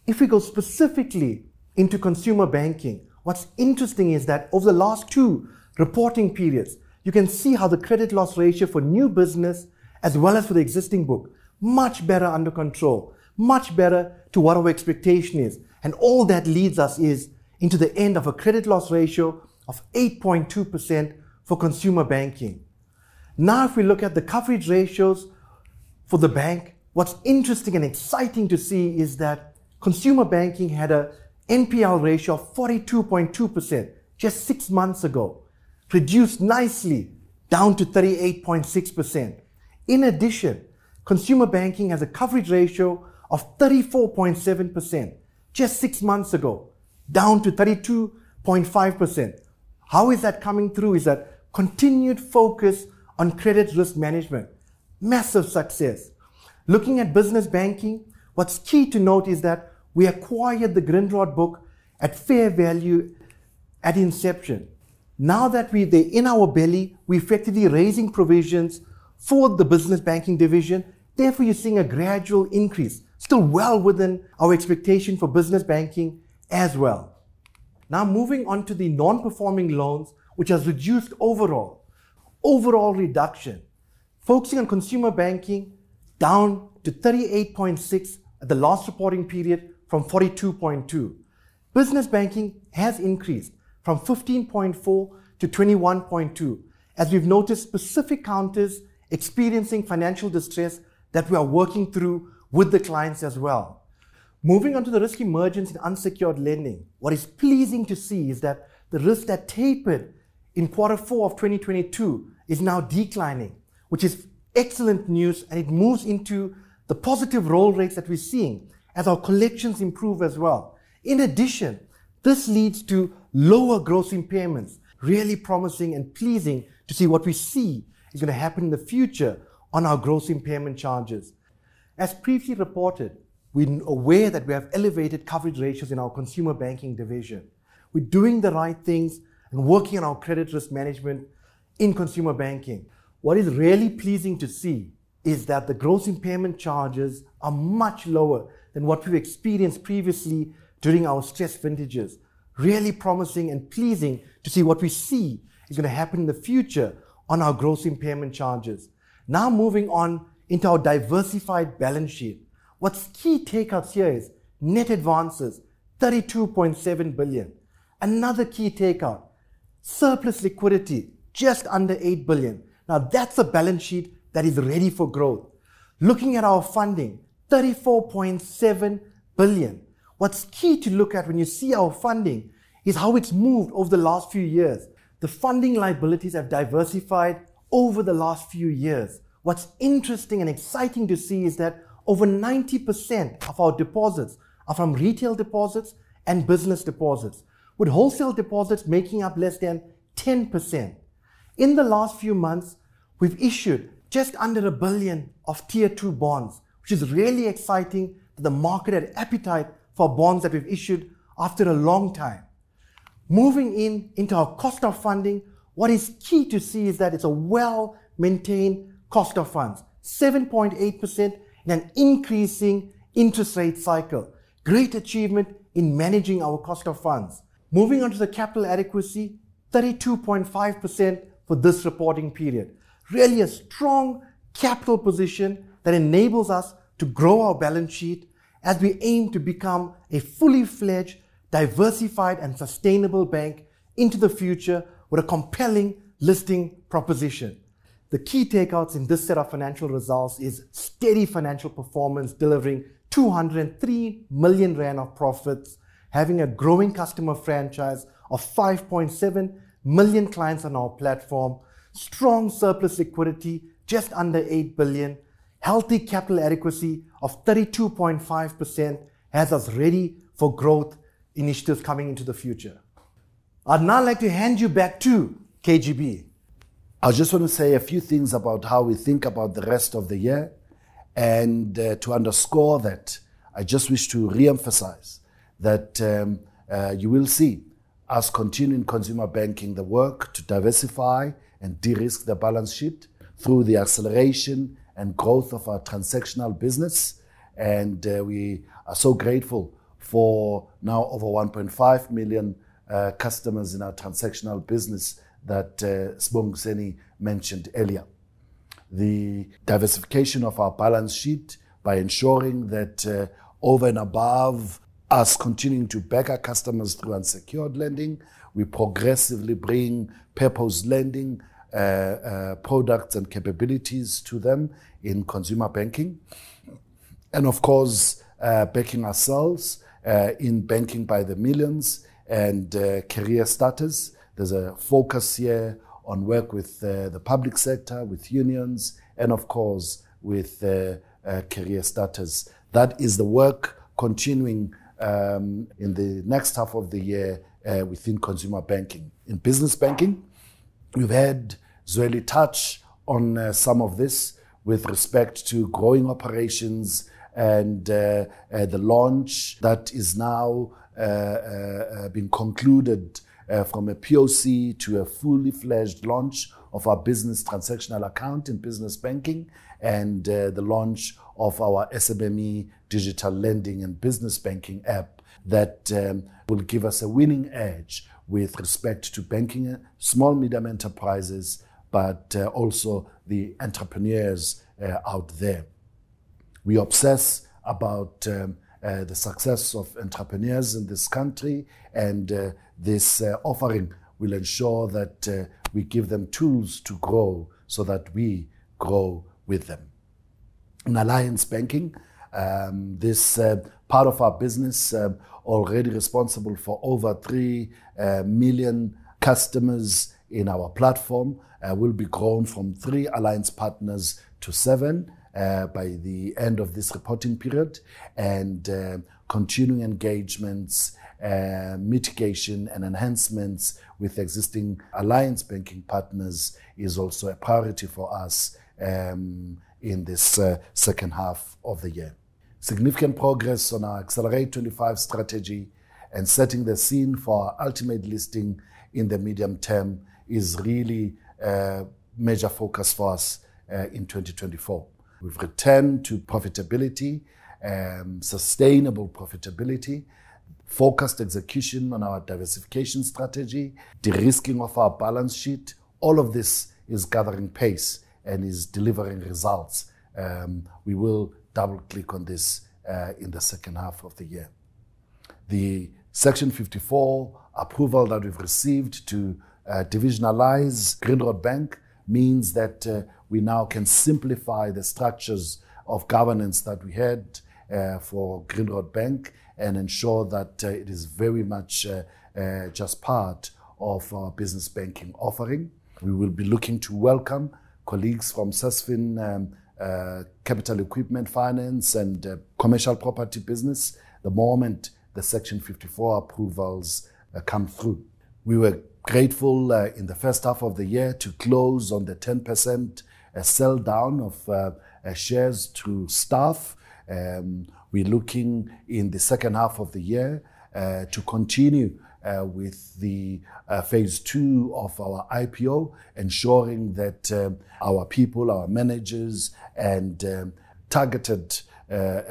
If we go specifically into consumer banking, what's interesting is that over the last two reporting periods, you can see how the credit loss ratio for new business as well as for the existing book, much better under control, much better to what our expectation is. All that leads us to the end of a credit loss ratio of 8.2% for consumer banking. Now, if we look at the coverage ratios for the bank, what's interesting and exciting to see is that consumer banking had a NPL ratio of 42.2% just six months ago, reduced nicely down to 38.6%. In addition, consumer banking has a coverage ratio of 34.7% just six months ago, down to 32.5%. How is that coming through? Is a continued focus on credit risk management. Massive success! Looking at business banking, what's key to note is that we acquired the Grindrod book at fair value at inception. Now that we, they're in our belly, we're effectively raising provisions for the business banking division, therefore, you're seeing a gradual increase, still well within our expectation for business banking as well. Now, moving on to the non-performing loans, which has reduced overall. Overall reduction. Focusing on consumer banking, down to 38.6% at the last reporting period from 42.2%. Business Banking has increased from 15.4% to 21.2%, as we've noticed specific counters experiencing financial distress that we are working through with the clients as well. Moving on to the risk emergence in unsecured lending, what is pleasing to see is that the risk that tapered in quarter four of 2022 is now declining, which is excellent news, and it moves into the positive roll rates that we're seeing as our collections improve as well. In addition, this leads to lower gross impairments. Really promising and pleasing to see what we see is gonna happen in the future on our gross impairment charges. As previously reported, we're aware that we have elevated coverage ratios in our consumer banking division. We're doing the right things and working on our credit risk management in consumer banking. What is really pleasing to see is that the gross impairment charges are much lower than what we've experienced previously during our stress vintages. Really promising and pleasing to see what we see is gonna happen in the future on our gross impairment charges. Now, moving on into our diversified balance sheet. What's key takeouts here is net advances, 32.7 billion. Another key takeout, surplus liquidity, just under 8 billion. Now, that's a balance sheet that is ready for growth. Looking at our funding, 34.7 billion. What's key to look at when you see our funding is how it's moved over the last few years. The funding liabilities have diversified over the last few years. What's interesting and exciting to see is that over 90% of our deposits are from retail deposits and business deposits, with wholesale deposits making up less than 10%. In the last few months, we've issued just under 1 billion of Tier 2 bonds, which is really exciting that the market had appetite for bonds that we've issued after a long time. Moving in, into our cost of funding, what is key to see is that it's a well-maintained cost of funds, 7.8% in an increasing interest rate cycle. Great achievement in managing our cost of funds. Moving on to the capital adequacy, 32.5% for this reporting period. Really a strong capital position that enables us to grow our balance sheet as we aim to become a fully fledged, diversified, and sustainable bank into the future with a compelling listing proposition. The key takeouts in this set of financial results is steady financial performance, delivering 203 million rand of profits, having a growing customer franchise of 5.7 million clients on our platform, strong surplus liquidity, just under 8 billion, healthy capital adequacy of 32.5% has us ready for growth initiatives coming into the future. I'd now like to hand you back to KGB. I just want to say a few things about how we think about the rest of the year, and to underscore that, I just wish to reemphasize that you will see us continuing consumer banking, the work to diversify and de-risk the balance sheet through the acceleration and growth of our transactional business. And we are so grateful for now over 1.5 million customers in our transactional business that Sibongiseni mentioned earlier. The diversification of our balance sheet by ensuring that, over and above us continuing to back our customers through unsecured lending, we progressively bring purpose lending products and capabilities to them in consumer banking. And of course, backing ourselves in Banking by the Millions and career starters. There's a focus here on work with the public sector, with unions, and of course, with career starters. That is the work continuing in the next half of the year within consumer banking. In business banking, we've had Zweli touch on some of this with respect to growing operations and the launch that is now been concluded from a POC to a fully fledged launch of our business transactional account in business banking, and the launch of our SME digital lending and business banking app that will give us a winning edge with respect to banking small medium enterprises, but also the entrepreneurs out there. We obsess about the success of entrepreneurs in this country, and this offering will ensure that we give them tools to grow so that we grow with them. In alliance banking, this part of our business, already responsible for over 3 million customers in our platform, will be grown from three alliance partners to seven by the end of this reporting period. Continuing engagements, mitigation and enhancements with existing alliance banking partners is also a priority for us in this second half of the year... Significant progress on our Excelerate25 strategy, and setting the scene for our ultimate listing in the medium term is really a major focus for us in 2024. We've returned to profitability, sustainable profitability, focused execution on our diversification strategy, de-risking of our balance sheet, all of this is gathering pace and is delivering results. We will double-click on this in the second half of the year. The Section 54 approval that we've received to divisionalise Grindrod Bank means that we now can simplify the structures of governance that we had for Grindrod Bank and ensure that it is very much just part of our business banking offering. We will be looking to welcome colleagues from Sasfin Capital Equipment Finance, and Commercial Property business the moment the Section 54 approvals come through. We were grateful in the first half of the year to close on the 10% sell down of shares to staff. We're looking in the second half of the year to continue with the phase two of our IPO, ensuring that our people, our managers, and targeted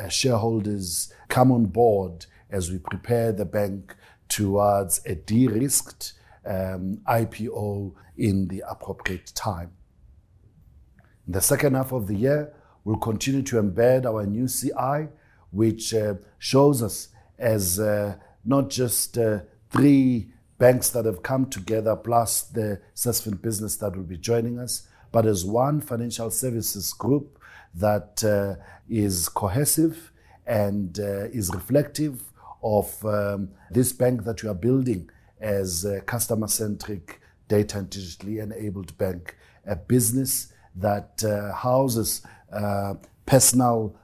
shareholders come on board as we prepare the bank towards a de-risked IPO in the appropriate time. In the second half of the year, we'll continue to embed our new CI, which shows us as not just three banks that have come together, plus the Sasfin business that will be joining us, but as one financial services group that is cohesive and is reflective of this bank that we are building as a customer-centric, data, and digitally-enabled bank. A business that houses personal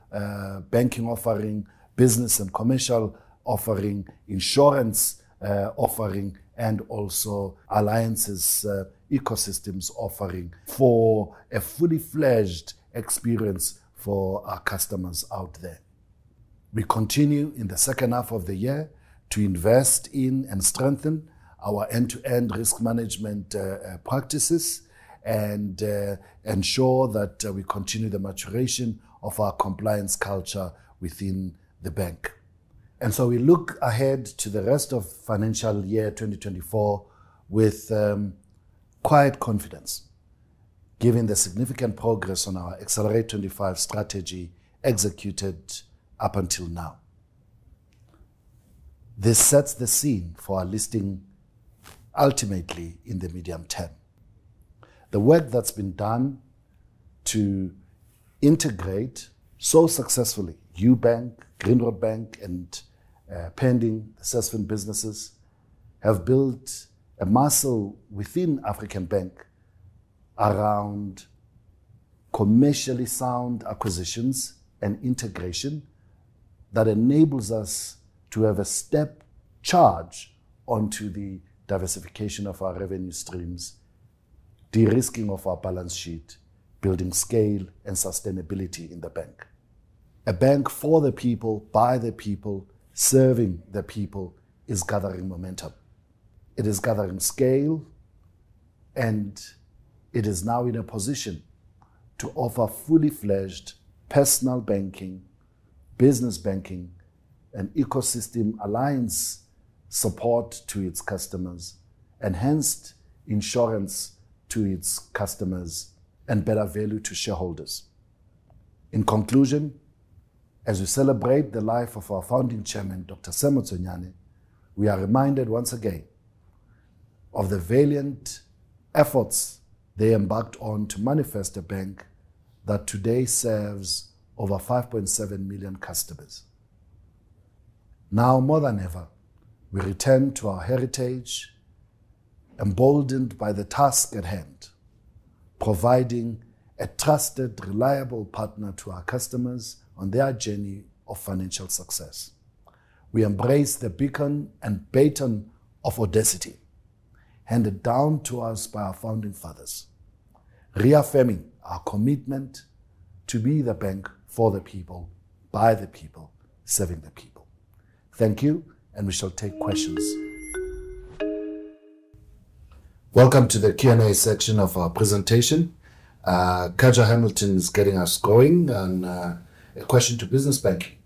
banking offering, business and commercial offering, insurance offering, and also alliances ecosystems offering, for a fully-fledged experience for our customers out there. We continue in the second half of the year to invest in and strengthen our end-to-end risk management practices, and ensure that we continue the maturation of our compliance culture within the bank. And so we look ahead to the rest of financial year 2024 with quiet confidence, given the significant progress on our Excelerate25 strategy executed up until now. This sets the scene for our listing ultimately in the medium term. The work that's been done to integrate so successfully Ubank, Grindrod Bank, and pending assessment businesses have built a muscle within African Bank around commercially sound acquisitions and integration that enables us to have a step change onto the diversification of our revenue streams, de-risking of our balance sheet, building scale and sustainability in the bank. A bank for the people, by the people, serving the people, is gathering momentum. It is gathering scale, and it is now in a position to offer fully fledged personal banking, business banking, and ecosystem alliance support to its customers, enhanced insurance to its customers, and better value to shareholders. In conclusion, as we celebrate the life of our founding chairman, Dr. Sam Motsuenyane, we are reminded once again of the valiant efforts they embarked on to manifest a bank that today serves over 5.7 million customers. Now more than ever, we return to our heritage, emboldened by the task at hand, providing a trusted, reliable partner to our customers on their journey of financial success. We embrace the beacon and baton of audacity handed down to us by our founding fathers, reaffirming our commitment to be the bank for the people, by the people, serving the people. Thank you, and we shall take questions. Welcome to the Q&A section of our presentation. Katja Hamilton is getting us going on, a question to business banking,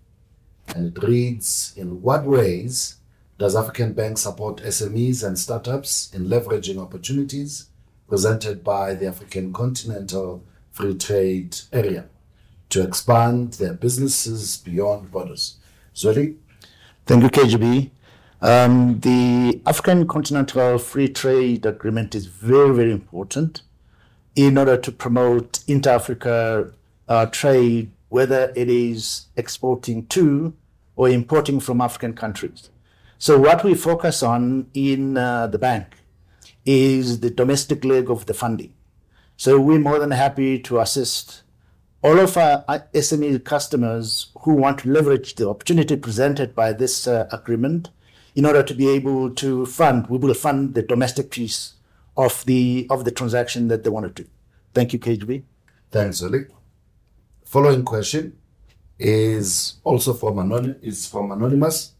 and it reads: "In what ways does African Bank support SMEs and startups in leveraging opportunities presented by the African Continental Free Trade Area to expand their businesses beyond borders?" Zweli? Thank you, KGB. The African Continental Free Trade Agreement is very, very important in order to promote intra-Africa trade, whether it is exporting to or importing from African countries. So what we focus on in the bank is the domestic leg of the funding. So we're more than happy to assist all of our SME customers who want to leverage the opportunity presented by this agreement in order to be able to fund. We will fund the domestic piece of the transaction that they wanna do. Thank you, KGB. Thanks, Zweli. The following question is also from anonymous,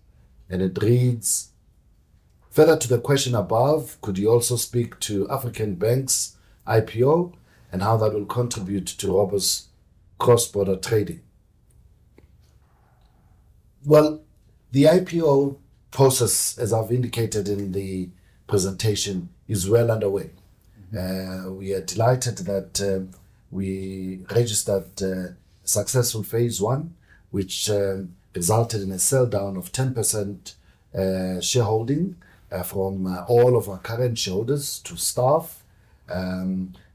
and it reads: "Further to the question above, could you also speak to African Bank's IPO and how that will contribute to borrowers' cross-border trading?" Well, the IPO process, as I've indicated in the presentation, is well underway. Mm-hmm. We are delighted that we registered a successful phase one, which resulted in a sell-down of 10% shareholding from all of our current shareholders to staff.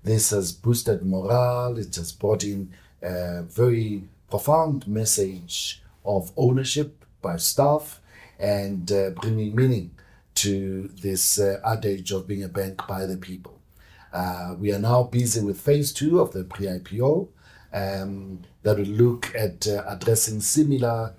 This has boosted morale. It has brought in a very profound message of ownership by staff and bringing meaning to this adage of being a bank by the people. We are now busy with phase two of the pre-IPO that will look at addressing similar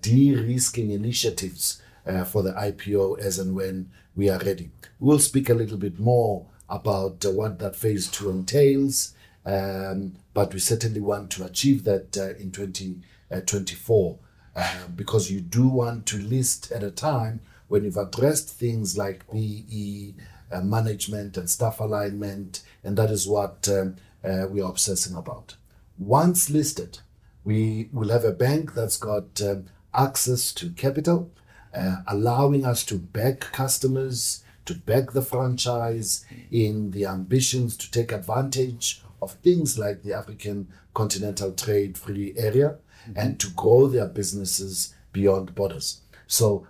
de-risking initiatives for the IPO as and when we are ready. We'll speak a little bit more about what that phase two entails, but we certainly want to achieve that in 2024. Because you do want to list at a time when you've addressed things like BEE, management, and staff alignment, and that is what we are obsessing about. Once listed, we will have a bank that's got access to capital, allowing us to back customers, to back the franchise in the ambitions to take advantage of things like the African Continental Free Trade Area- Mm-hmm ... and to grow their businesses beyond borders. So,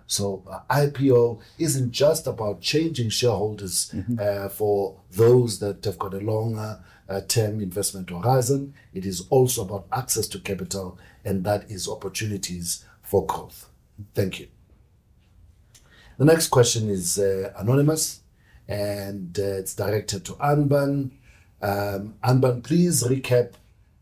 IPO isn't just about changing shareholders- Mm-hmm... for those that have got a longer term investment horizon, it is also about access to capital, and that is opportunities for growth. Thank you. The next question is anonymous, and it's directed to Anbann. Anbann, please recap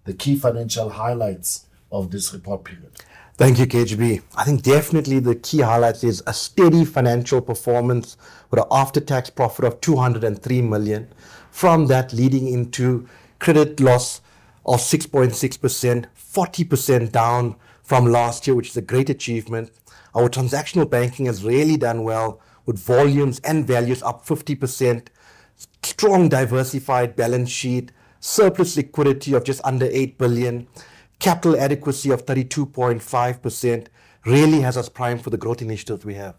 the key financial highlights of this report period. Thank you, KGB. I think definitely the key highlight is a steady financial performance with an after-tax profit of 203 million. From that, leading into credit loss of 6.6%, 40% down from last year, which is a great achievement. Our transactional banking has really done well, with volumes and values up 50%. Strong, diversified balance sheet, surplus liquidity of just under 8 billion, capital adequacy of 32.5%, really has us primed for the growth initiatives we have.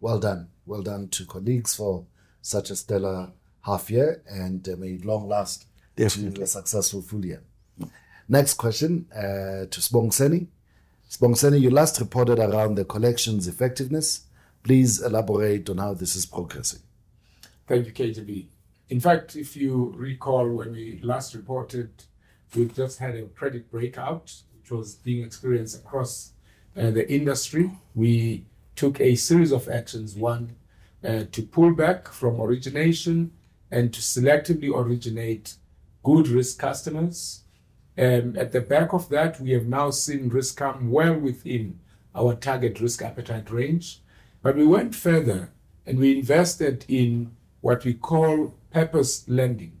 Well done. Well done to colleagues for such a stellar half year, and may it long last- Definitely... to a successful full year. Mm. Next question, to Sibongiseni. Sibongiseni, you last reported around the collections effectiveness. Please elaborate on how this is progressing. Thank you, KGB. In fact, if you recall, when we last reported, we've just had a credit breakout, which was being experienced across the industry. We took a series of actions. One, to pull back from origination and to selectively originate good risk customers. And at the back of that, we have now seen risk come well within our target risk appetite range. But we went further, and we invested in what we call purpose lending.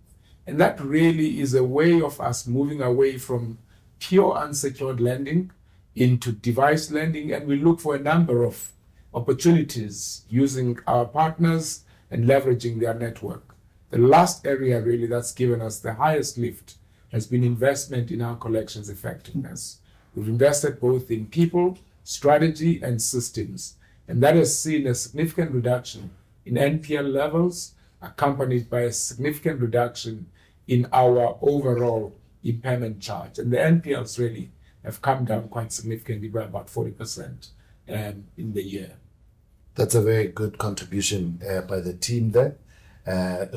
And that really is a way of us moving away from pure unsecured lending into device lending, and we look for a number of opportunities using our partners and leveraging their network. The last area, really, that's given us the highest lift has been investment in our collections effectiveness. Mm-hmm. We've invested both in people, strategy, and systems, and that has seen a significant reduction in NPL levels, accompanied by a significant reduction in our overall impairment charge. And the NPLs really have come down quite significantly by about 40% in the year. That's a very good contribution by the team there.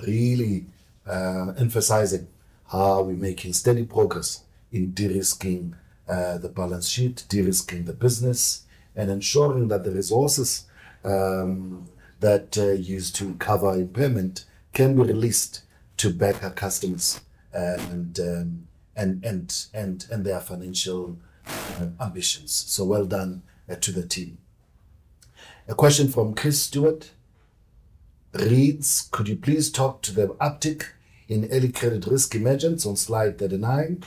Really, emphasizing how we're making steady progress in de-risking the balance sheet, de-risking the business, and ensuring that the resources that used to cover impairment can be released to back our customers and their financial ambitions. So well done to the team. A question from Chris Stewart reads: "Could you please talk to the uptick in early credit risk emergence on slide 39,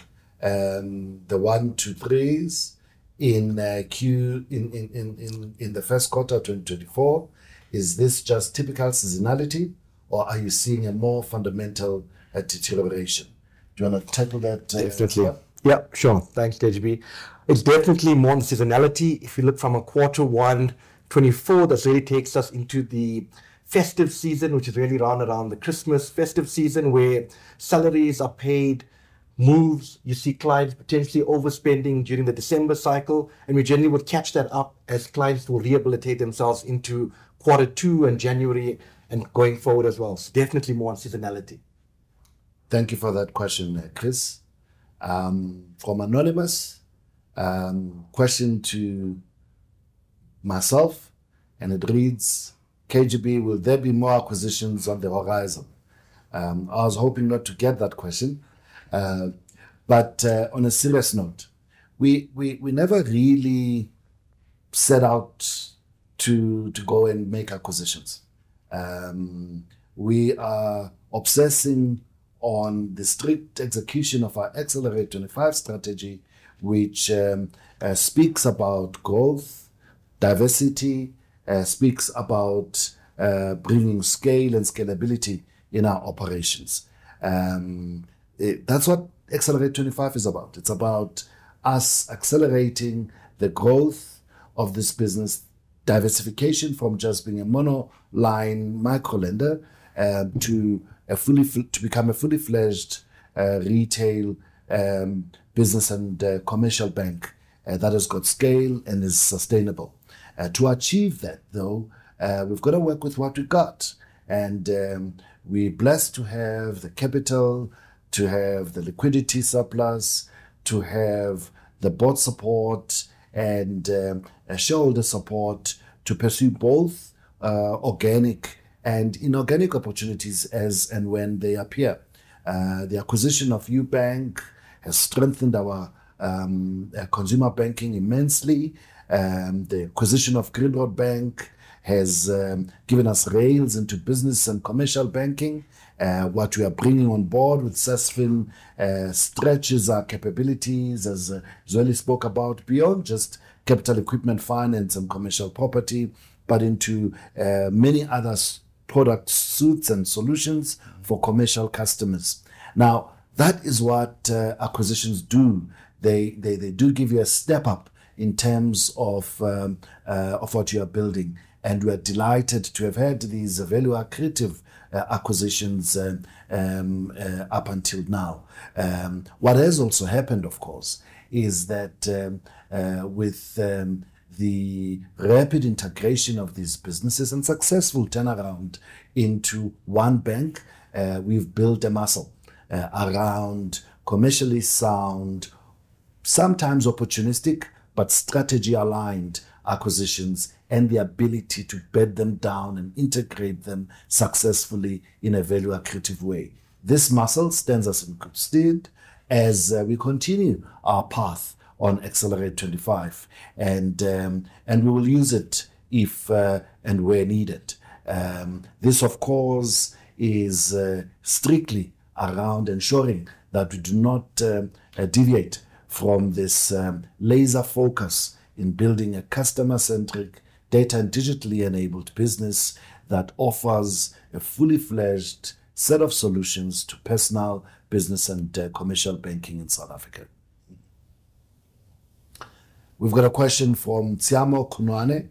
the one to threes in Q1 in the first quarter of 2024? Is this just typical seasonality, or are you seeing a more fundamental deterioration?" Do you want to tackle that, Anbann? Definitely. Yeah, sure. Thanks, KGB. It's definitely more on seasonality. If you look from a quarter one 2024, that really takes us into the festive season, which is really round around the Christmas festive season, where salaries are paid, moves. You see clients potentially overspending during the December cycle, and we generally would catch that up as clients will rehabilitate themselves into quarter two and January and going forward as well. So definitely more on seasonality. Thank you for that question, Chris. From anonymous question to myself, and it reads, "KGB, will there be more acquisitions on the horizon?" I was hoping not to get that question, but on a serious note, we never really set out to go and make acquisitions. We are obsessing on the strict execution of our Excelerate25 strategy, which speaks about growth, diversity, speaks about bringing scale and scalability in our operations. That's what Excelerate25 is about. It's about us accelerating the growth of this business, diversification from just being a monoline microlender to become a fully fledged retail business and commercial bank that has got scale and is sustainable. To achieve that though, we've got to work with what we've got, and, we're blessed to have the capital, to have the liquidity surplus, to have the board support, and, shareholder support to pursue both, organic and inorganic opportunities as and when they appear. The acquisition of Ubank has strengthened our, consumer banking immensely. The acquisition of Grindrod Bank has, given us rails into business and commercial banking. What we are bringing on board with Sasfin, stretches our capabilities, as Zweli spoke about, beyond just Capital Equipment Finance and Commercial Property, but into, many other product suites and solutions for commercial customers. Now, that is what, acquisitions do. They do give you a step up in terms of of what you are building, and we're delighted to have had these value-accretive acquisitions up until now. What has also happened, of course, is that with the rapid integration of these businesses and successful turnaround into one bank, we've built a muscle around commercially sound, sometimes opportunistic, but strategy-aligned acquisitions, and the ability to bed them down and integrate them successfully in a value-accretive way. This muscle stands us in good stead as we continue our path on Excelerate25, and and we will use it if and where needed. This, of course, is strictly around ensuring that we do not deviate from this laser focus in building a customer-centric data and digitally enabled business that offers a fully fledged set of solutions to personal business and commercial banking in South Africa. We've got a question from Tshiamo Khunoane,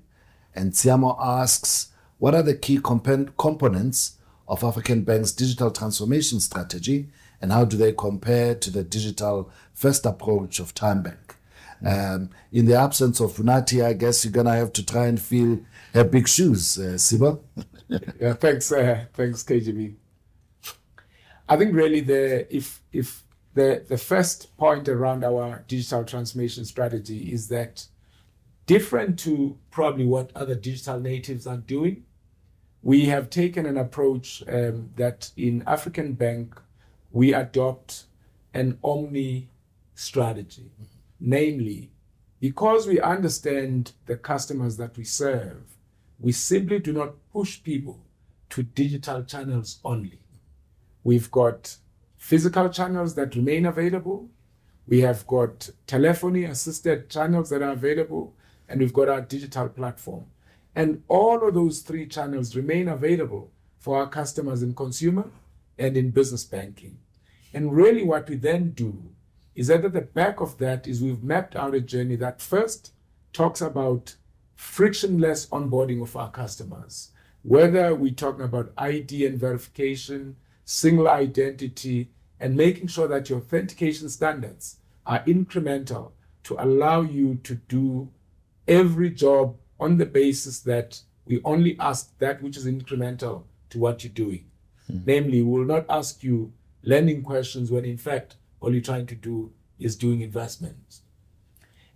and Tshiamo asks: "What are the key components of African Bank's digital transformation strategy, and how do they compare to the digital-first approach of TymeBank?" In the absence of Funeka, I guess you're going to have to try and fill her big shoes, Sibongiseni. Yeah, thanks, thanks, KGB. I think really the first point around our digital transformation strategy is that different to probably what other digital natives are doing, we have taken an approach that in African Bank we adopt an omni strategy. Mm. Namely, because we understand the customers that we serve, we simply do not push people to digital channels only. We've got physical channels that remain available, we have got telephony-assisted channels that are available, and we've got our digital platform. And all of those three channels remain available for our customers in consumer and in business banking. And really, what we then do is that at the back of that is we've mapped out a journey that first talks about frictionless onboarding of our customers, whether we're talking about ID and verification, single identity, and making sure that your authentication standards are incremental to allow you to do every job on the basis that we only ask that which is incremental to what you're doing. Mm. Namely, we will not ask you lending questions when in fact all you're trying to do is doing investments.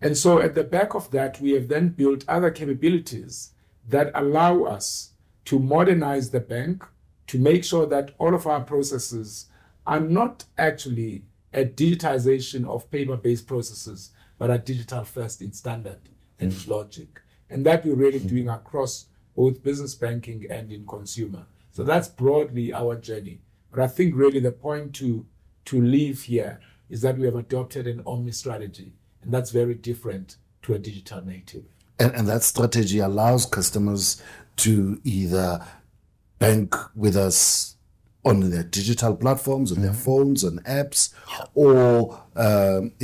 And so at the back of that, we have then built other capabilities that allow us to modernize the bank, to make sure that all of our processes are not actually a digitization of paper-based processes, but are digital-first in standard- Mm... and logic. And that we're really doing across both business banking and in consumer. So that's broadly our journey. But I think really the point to, to leave here is that we have adopted an omni strategy, and that's very different to a digital native. And that strategy allows customers to either bank with us on their digital platforms- Mm... on their phones and apps, or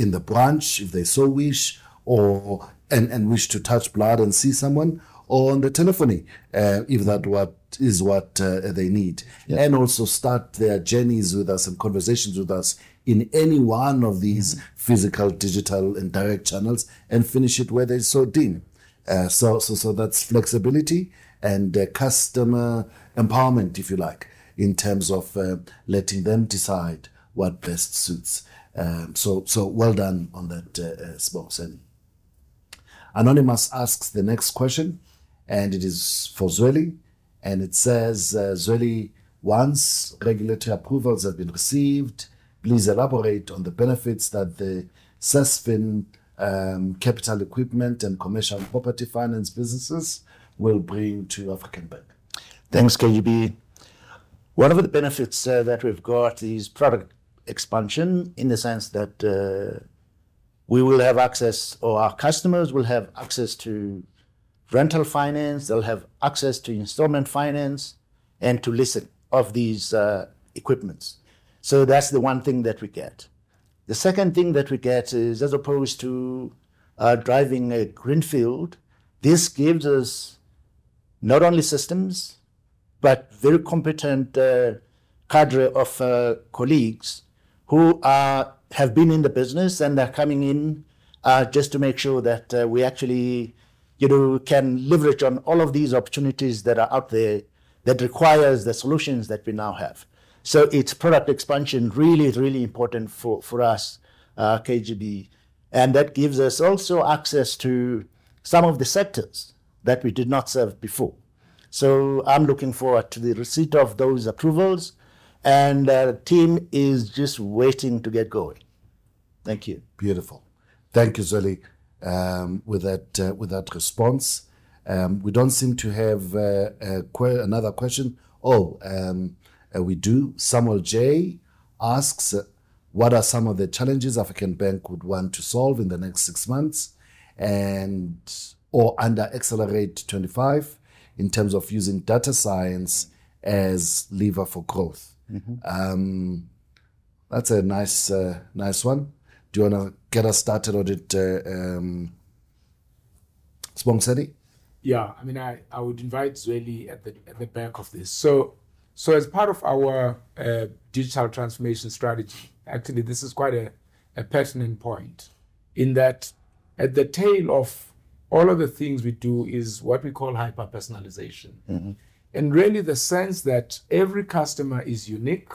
in the branch, if they so wish, or and wish to touch base and see someone, or on the telephony, if that's what they need. Yeah. And also start their journeys with us and conversations with us in any one of these physical, digital, and direct channels, and finish it where they so deem. So that's flexibility and customer empowerment, if you like, in terms of letting them decide what best suits. So well done on that, Sibongiseni. Anonymous asks the next question: and it is for Zweli, and it says, "Zweli, once regulatory approvals have been received, please elaborate on the benefits that the Sasfin Capital Equipment Finance and Commercial Property Finance businesses will bring to African Bank. Thanks, KGB. One of the benefits that we've got is product expansion, in the sense that we will have access or our customers will have access to rental finance, they'll have access to installment finance, and to leasing of these equipments. So that's the one thing that we get. The second thing that we get is, as opposed to driving a greenfield, this gives us not only systems, but very competent cadre of colleagues who have been in the business and are coming in just to make sure that we actually, you know, can leverage on all of these opportunities that are out there that requires the solutions that we now have. So it's product expansion, really is really important for, for us, KGB, and that gives us also access to some of the sectors that we did not serve before. So I'm looking forward to the receipt of those approvals, and our team is just waiting to get going. Thank you. Beautiful. Thank you, Zweli. With that, with that response, we don't seem to have another question. We do. Samuel J. asks, "What are some of the challenges African Bank would want to solve in the next six months, and/or under Excelerate25 in terms of using data science as lever for growth? Mm-hmm. That's a nice, nice one. Do you want to get us started on it, Sibongiseni? Yeah. I mean, I would invite Zweli at the back of this. So as part of our digital transformation strategy, actually this is quite a pertinent point, in that at the tail of all of the things we do is what we call hyper-personalization. Mm-hmm. Really the sense that every customer is unique.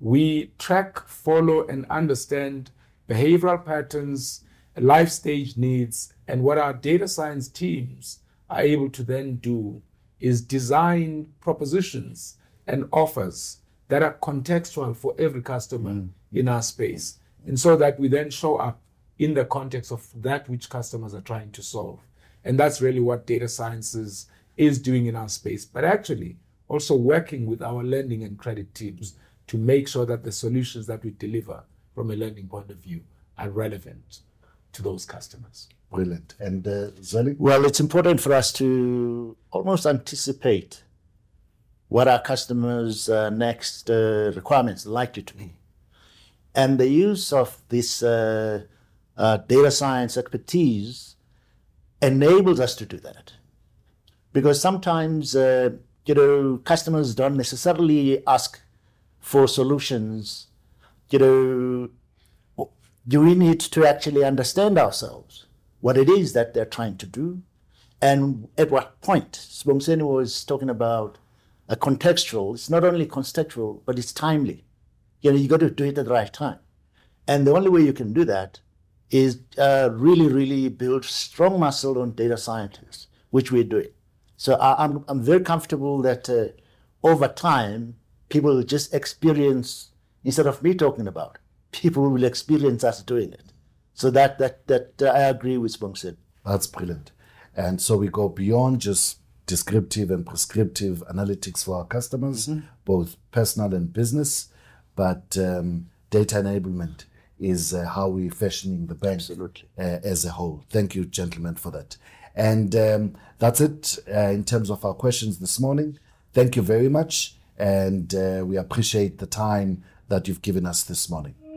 We track, follow, and understand behavioral patterns, life stage needs, and what our data science teams are able to then do is design propositions and offers that are contextual for every customer- Mm... in our space. And so that we then show up in the context of that which customers are trying to solve, and that's really what data science is doing in our space. But actually, also working with our lending and credit teams to make sure that the solutions that we deliver from a lending point of view are relevant to those customers. Brilliant. And, Zweli? Well, it's important for us to almost anticipate what our customers' next requirement's likely to be. And the use of this data science expertise enables us to do that, because sometimes, you know, customers don't necessarily ask for solutions. You know, do we need to actually understand ourselves, what it is that they're trying to do, and at what point? Sibongiseni was talking about a contextual. It's not only contextual, but it's timely. You know, you got to do it at the right time, and the only way you can do that is really, really build strong muscle on data scientists, which we're doing. So I'm very comfortable that over time, people will just experience... Instead of me talking about, people will experience us doing it. So that I agree with Sibongiseni. That's brilliant. And so we go beyond just descriptive and prescriptive analytics for our customers- Mm-hmm... both personal and business, but data enablement is how we're fashioning the bank- Absolutely... as a whole. Thank you, gentlemen, for that. That's it, in terms of our questions this morning. Thank you very much, and we appreciate the time that you've given us this morning.